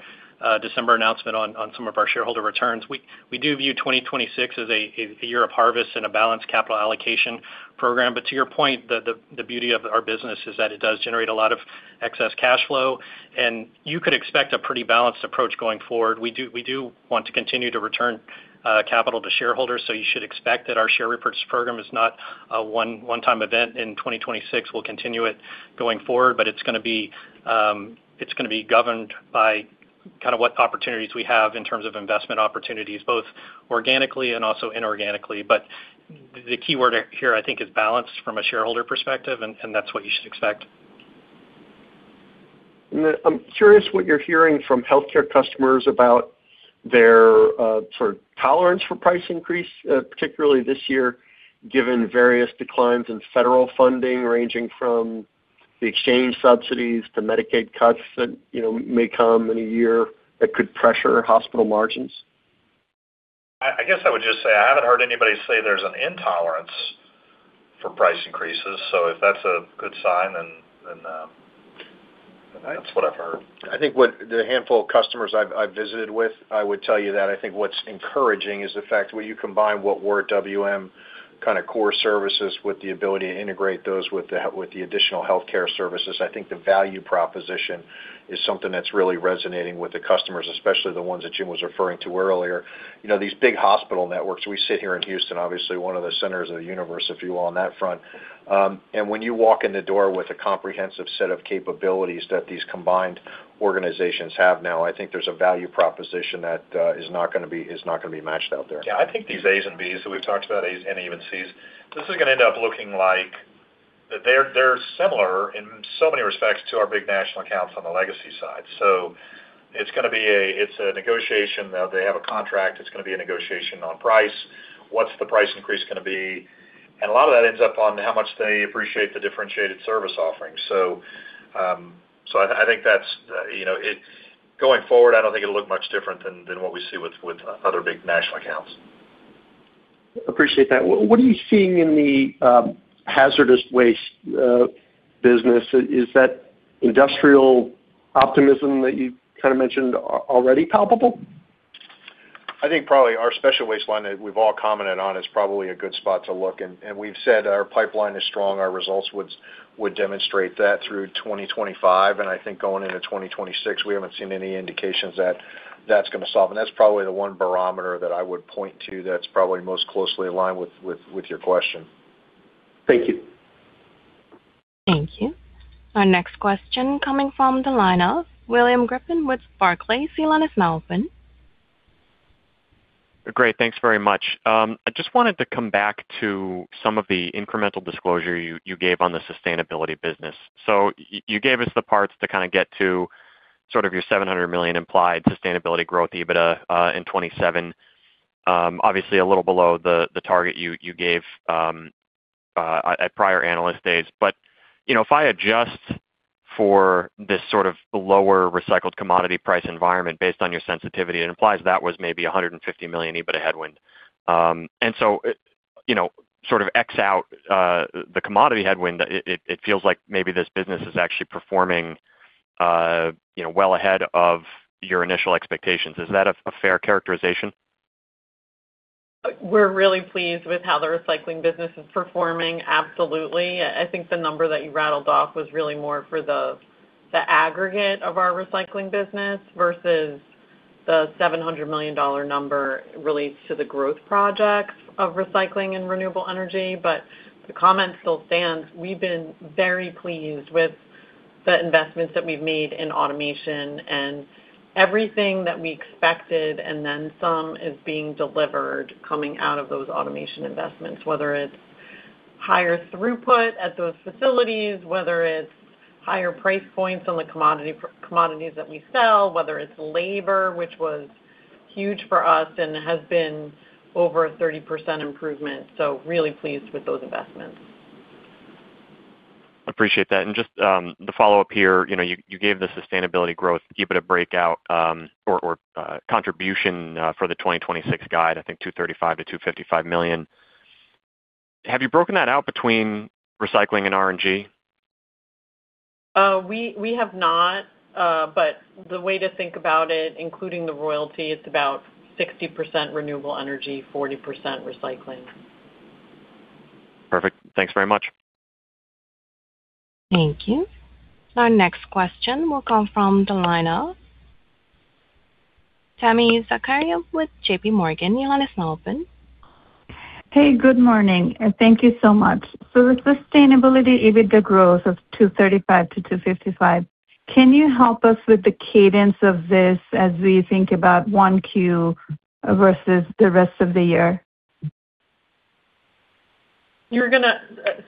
December announcement on some of our shareholder returns, we do view 2026 as a year of harvest and a balanced capital allocation program. But to your point, the beauty of our business is that it does generate a lot of excess cash flow, and you could expect a pretty balanced approach going forward. We do want to continue to return capital to shareholders, so you should expect that our share repurchase program is not a one-time event in 2026. We'll continue it going forward, but it's gonna be governed by kind of what opportunities we have in terms of investment opportunities, both organically and also inorganically. But the key word here, I think, is balance from a shareholder perspective, and that's what you should expect. And then I'm curious what you're hearing from healthcare customers about their, sort of tolerance for price increase, particularly this year, given various declines in federal funding, ranging from the exchange subsidies to Medicaid cuts that, you know, may come in a year that could pressure hospital margins. I guess I would just say, I haven't heard anybody say there's an intolerance for price increases, so if that's a good sign, then that's what I've heard. I think what the handful of customers I've visited with, I would tell you that I think what's encouraging is the fact when you combine what we're at WM kind of core services with the ability to integrate those with the additional healthcare services, I think the value proposition is something that's really resonating with the customers, especially the ones that Jim was referring to earlier. You know, these big hospital networks, we sit here in Houston, obviously one of the centers of the universe, if you will, on that front. And when you walk in the door with a comprehensive set of capabilities that these combined organizations have now, I think there's a value proposition that is not gonna be matched out there. Yeah, I think these A's and B's that we've talked about, A's and even C's, this is gonna end up looking like... They're similar in so many respects to our big National Accounts on the legacy side. So it's gonna be a negotiation. Now, they have a contract, it's gonna be a negotiation on price. What's the price increase gonna be? And a lot of that ends up on how much they appreciate the differentiated service offerings. So I think that's, you know, it going forward, I don't think it'll look much different than what we see with other big National Accounts. Appreciate that. What are you seeing in the hazardous waste business? Is that industrial optimism that you kind of mentioned already palpable? I think probably our special waste line that we've all commented on is probably a good spot to look. And we've said our pipeline is strong. Our results would demonstrate that through 2025, and I think going into 2026, we haven't seen any indications that that's gonna solve. And that's probably the one barometer that I would point to that's probably most closely aligned with your question. Thank you. Thank you. Our next question coming from the line of William with Barclays. Your line is now open. Great. Thanks very much. I just wanted to come back to some of the incremental disclosure you gave on the sustainability business. So you gave us the parts to kind of get to sort of your $700 million implied sustainability growth EBITDA in 2027. Obviously, a little below the target you gave at prior analyst days. But you know, if I adjust for this sort of lower recycled commodity price environment based on your sensitivity, it implies that was maybe a $150 million EBITDA headwind. And so, it you know, sort of X out the commodity headwind, it feels like maybe this business is actually performing you know, well ahead of your initial expectations. Is that a fair characterization? We're really pleased with how the Recycling business is performing, absolutely. I, I think the number that you rattled off was really more for the, the aggregate of our Recycling business versus the $700 million number relates to the growth projects of Recycling and renewable energy. But the comment still stands. We've been very pleased with the investments that we've made in automation, and everything that we expected, and then some, is being delivered coming out of those automation investments, whether it's higher throughput at those facilities, whether it's higher price points on the commodities that we sell, whether it's labor, which was huge for us and has been over a 30% improvement. So really pleased with those investments. Appreciate that. And just the follow-up here, you know, you gave the sustainability growth, EBITDA breakout or contribution for the 2026 guide, I think $235 million-$255 million. Have you broken that out between Recycling and RNG?... We have not. But the way to think about it, including the royalty, it's about 60% renewable energy, 40% Recycling. Perfect. Thanks very much. Thank you. Our next question will come from the line of Tami Zakaria with JP Morgan. Your line is now open. Hey, good morning, and thank you so much. So the sustainable EBITDA growth of $235-$255, can you help us with the cadence of this as we think about 1Q versus the rest of the year? You're gonna,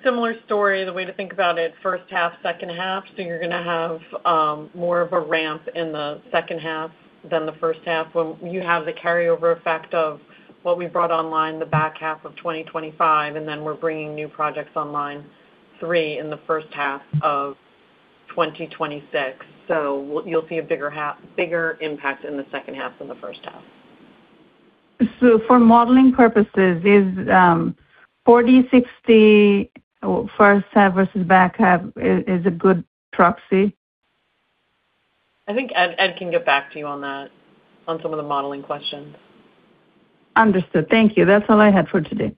similar story, the way to think about it, first half, second half. So you're gonna have more of a ramp in the second half than the first half, when you have the carryover effect of what we brought online in the back half of 2025, and then we're bringing new projects online, 3 in the first half of 2026. So you'll see a bigger impact in the second half than the first half. So for modeling purposes, is 40/60, first half versus back half, a good proxy? I think Ed, Ed can get back to you on that, on some of the modeling questions. Understood. Thank you. That's all I had for today.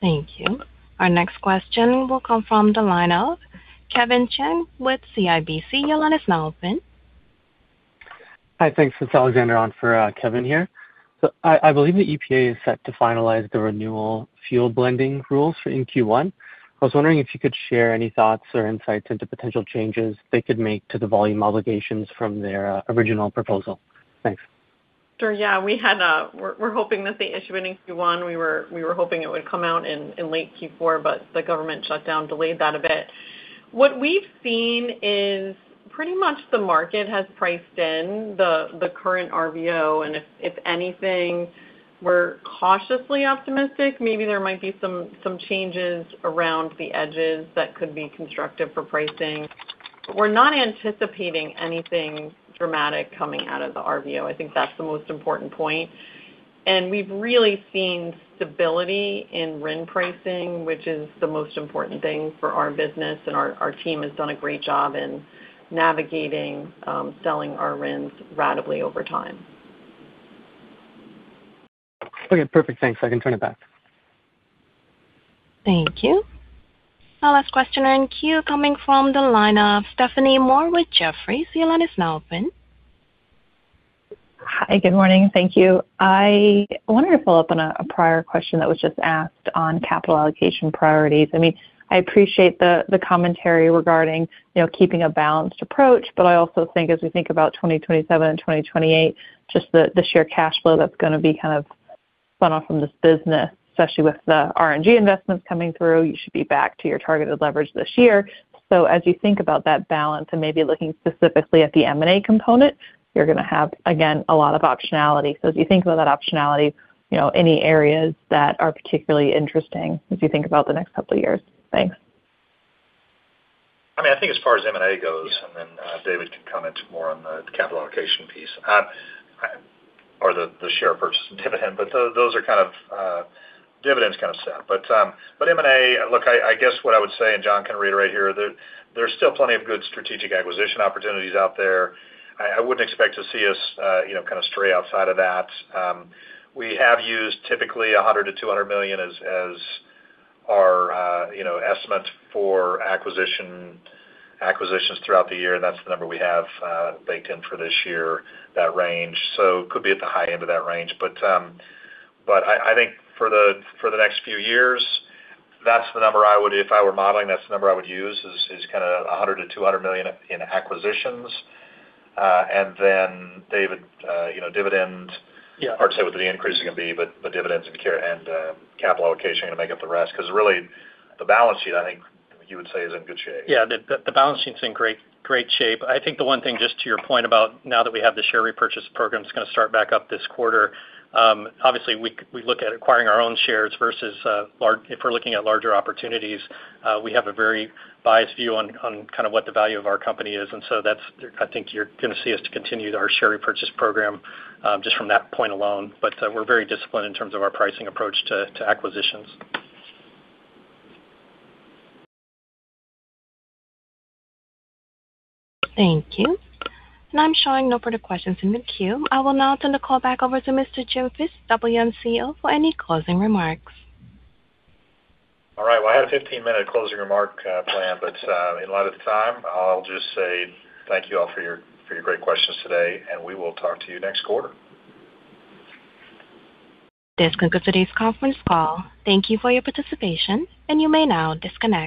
Thank you. Our next question will come from the line of Kevin Chiang with CIBC. Your line is now open. Hi, thanks. It's Alexander on for Kevin here. So I believe the EPA is set to finalize the renewable fuel blending rules for in Q1. I was wondering if you could share any thoughts or insights into potential changes they could make to the volume obligations from their original proposal. Thanks. Sure. Yeah, we had a-- we're hoping that they issue it in Q1. We were hoping it would come out in late Q4, but the government shutdown delayed that a bit. What we've seen is pretty much the market has priced in the current RVO, and if anything, we're cautiously optimistic. Maybe there might be some changes around the edges that could be constructive for pricing. But we're not anticipating anything dramatic coming out of the RVO. I think that's the most important point. And we've really seen stability in RIN pricing, which is the most important thing for our business, and our team has done a great job in navigating selling our RINs ratably over time. Okay, perfect. Thanks. I can turn it back. Thank you. Our last question in queue coming from the line of Stephanie Moore with Jefferies. Your line is now open. Hi, good morning. Thank you. I wanted to follow up on a prior question that was just asked on capital allocation priorities. I mean, I appreciate the commentary regarding, you know, keeping a balanced approach, but I also think as we think about 2027 and 2028, just the sheer cash flow that's gonna be kind of spun off from this business, especially with the RNG investments coming through, you should be back to your targeted leverage this year. So as you think about that balance and maybe looking specifically at the M&A component, you're gonna have, again, a lot of optionality. So as you think about that optionality, you know, any areas that are particularly interesting, as you think about the next couple of years? Thanks. I mean, I think as far as M&A goes, and then, David can comment more on the capital allocation piece, or the, the share purchase and dividend, but those are kind of, dividends kind of set. But, but M&A, look, I, I guess what I would say, and John can reiterate here, there's still plenty of good strategic acquisition opportunities out there. I, I wouldn't expect to see us, you know, kind of stray outside of that. We have used typically $100 million-$200 million as, as our, you know, estimate for acquisition, acquisitions throughout the year. That's the number we have baked in for this year, that range. So could be at the high end of that range. But, but I, I think for the, for the next few years, that's the number I would... If I were modeling, that's the number I would use, is kinda $100 million-$200 million in acquisitions. And then, David, you know, dividend- Yeah. Hard to say what the increase is gonna be, but the dividends and care and, capital allocation are gonna make up the rest, because really, the balance sheet, I think you would say, is in good shape. Yeah, the balance sheet's in great, great shape. I think the one thing, just to your point about now that we have the share repurchase program, it's gonna start back up this quarter. Obviously, we look at acquiring our own shares versus if we're looking at larger opportunities, we have a very biased view on kind of what the value of our company is. And so that's, I think you're gonna see us to continue our share repurchase program, just from that point alone. But, we're very disciplined in terms of our pricing approach to acquisitions. Thank you. I'm showing no further questions in the queue. I will now turn the call back over to Mr. Jim Fish, WM CEO, for any closing remarks. All right. Well, I had a 15-minute closing remark planned, but in light of the time, I'll just say thank you all for your, for your great questions today, and we will talk to you next quarter. This concludes today's conference call. Thank you for your participation, and you may now disconnect.